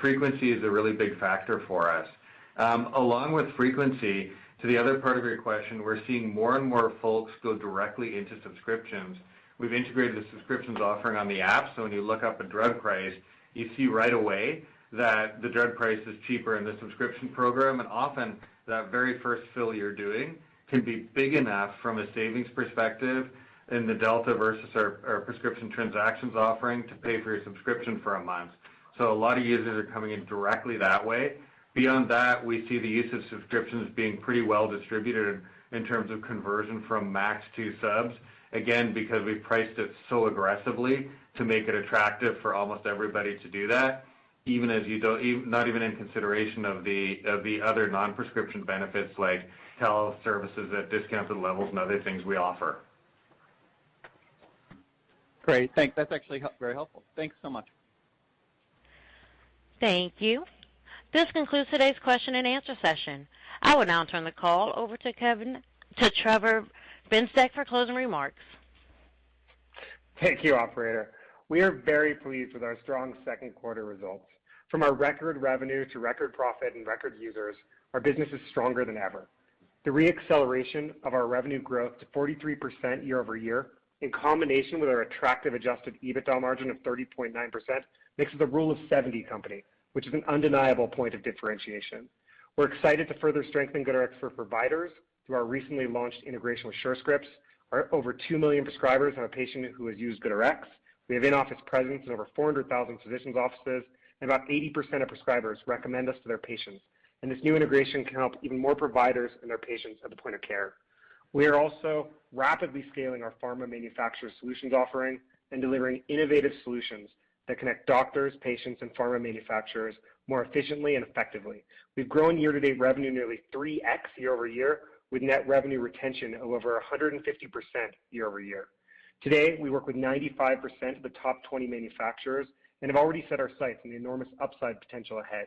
Frequency is a really big factor for us. Along with frequency, to the other part of your question, we're seeing more and more folks go directly into subscriptions. We've integrated the subscriptions offering on the app, so when you look up a drug price, you see right away that the drug price is cheaper in the subscription program, and often that very first fill you're doing can be big enough from a savings perspective in the delta versus our prescription transactions offering to pay for your subscription for a month. A lot of users are coming in directly that way. Beyond that, we see the use of subscriptions being pretty well distributed in terms of conversion from MACs to subs. Again, because we've priced it so aggressively to make it attractive for almost everybody to do that, not even in consideration of the other non-prescription benefits like health services at discounted levels and other things we offer. Great. That's actually very helpful. Thanks so much. Thank you. This concludes today's question and answer session. I will now turn the call over to Trevor Bezdek for closing remarks. Thank you, operator. We are very pleased with our strong second quarter results. From our record revenue to record profit and record users, our business is stronger than ever. The re-acceleration of our revenue growth to 43% year-over-year, in combination with our attractive adjusted EBITDA margin of 30.9%, makes us a rule of 70 company, which is an undeniable point of differentiation. We're excited to further strengthen GoodRx for Providers through our recently launched integration with Surescripts. Our over two million prescribers have a patient who has used GoodRx. We have in-office presence in over 400,000 physicians' offices, and about 80% of prescribers recommend us to their patients. This new integration can help even more providers and their patients at the point of care. We are also rapidly scaling our Pharma Manufacturer Solutions offering and delivering innovative solutions that connect doctors, patients, and pharma manufacturers more efficiently and effectively. We've grown year-to-date revenue nearly 3x year-over-year, with net revenue retention of over 150% year-over-year. Today, we work with 95% of the top 20 manufacturers and have already set our sights on the enormous upside potential ahead.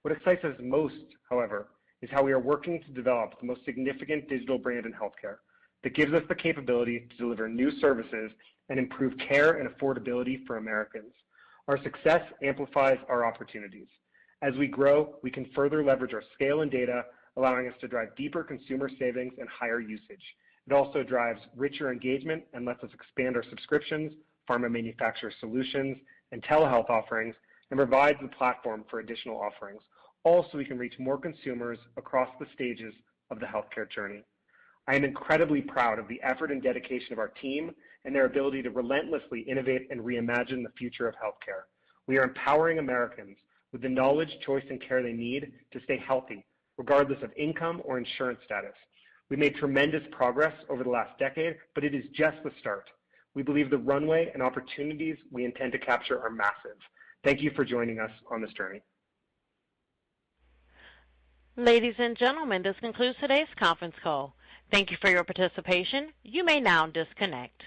What excites us most, however, is how we are working to develop the most significant digital brand in healthcare that gives us the capability to deliver new services and improve care and affordability for Americans. Our success amplifies our opportunities. As we grow, we can further leverage our scale and data, allowing us to drive deeper consumer savings and higher usage. It also drives richer engagement and lets us expand our subscriptions, Pharma Manufacturer Solutions, and telehealth offerings, and provides a platform for additional offerings. We can reach more consumers across the stages of the healthcare journey. I am incredibly proud of the effort and dedication of our team and their ability to relentlessly innovate and reimagine the future of healthcare. We are empowering Americans with the knowledge, choice, and care they need to stay healthy, regardless of income or insurance status. We made tremendous progress over the last decade, but it is just the start. We believe the runway and opportunities we intend to capture are massive. Thank you for joining us on this journey. Ladies and gentlemen, this concludes today's conference call. Thank you for your participation. You may now disconnect.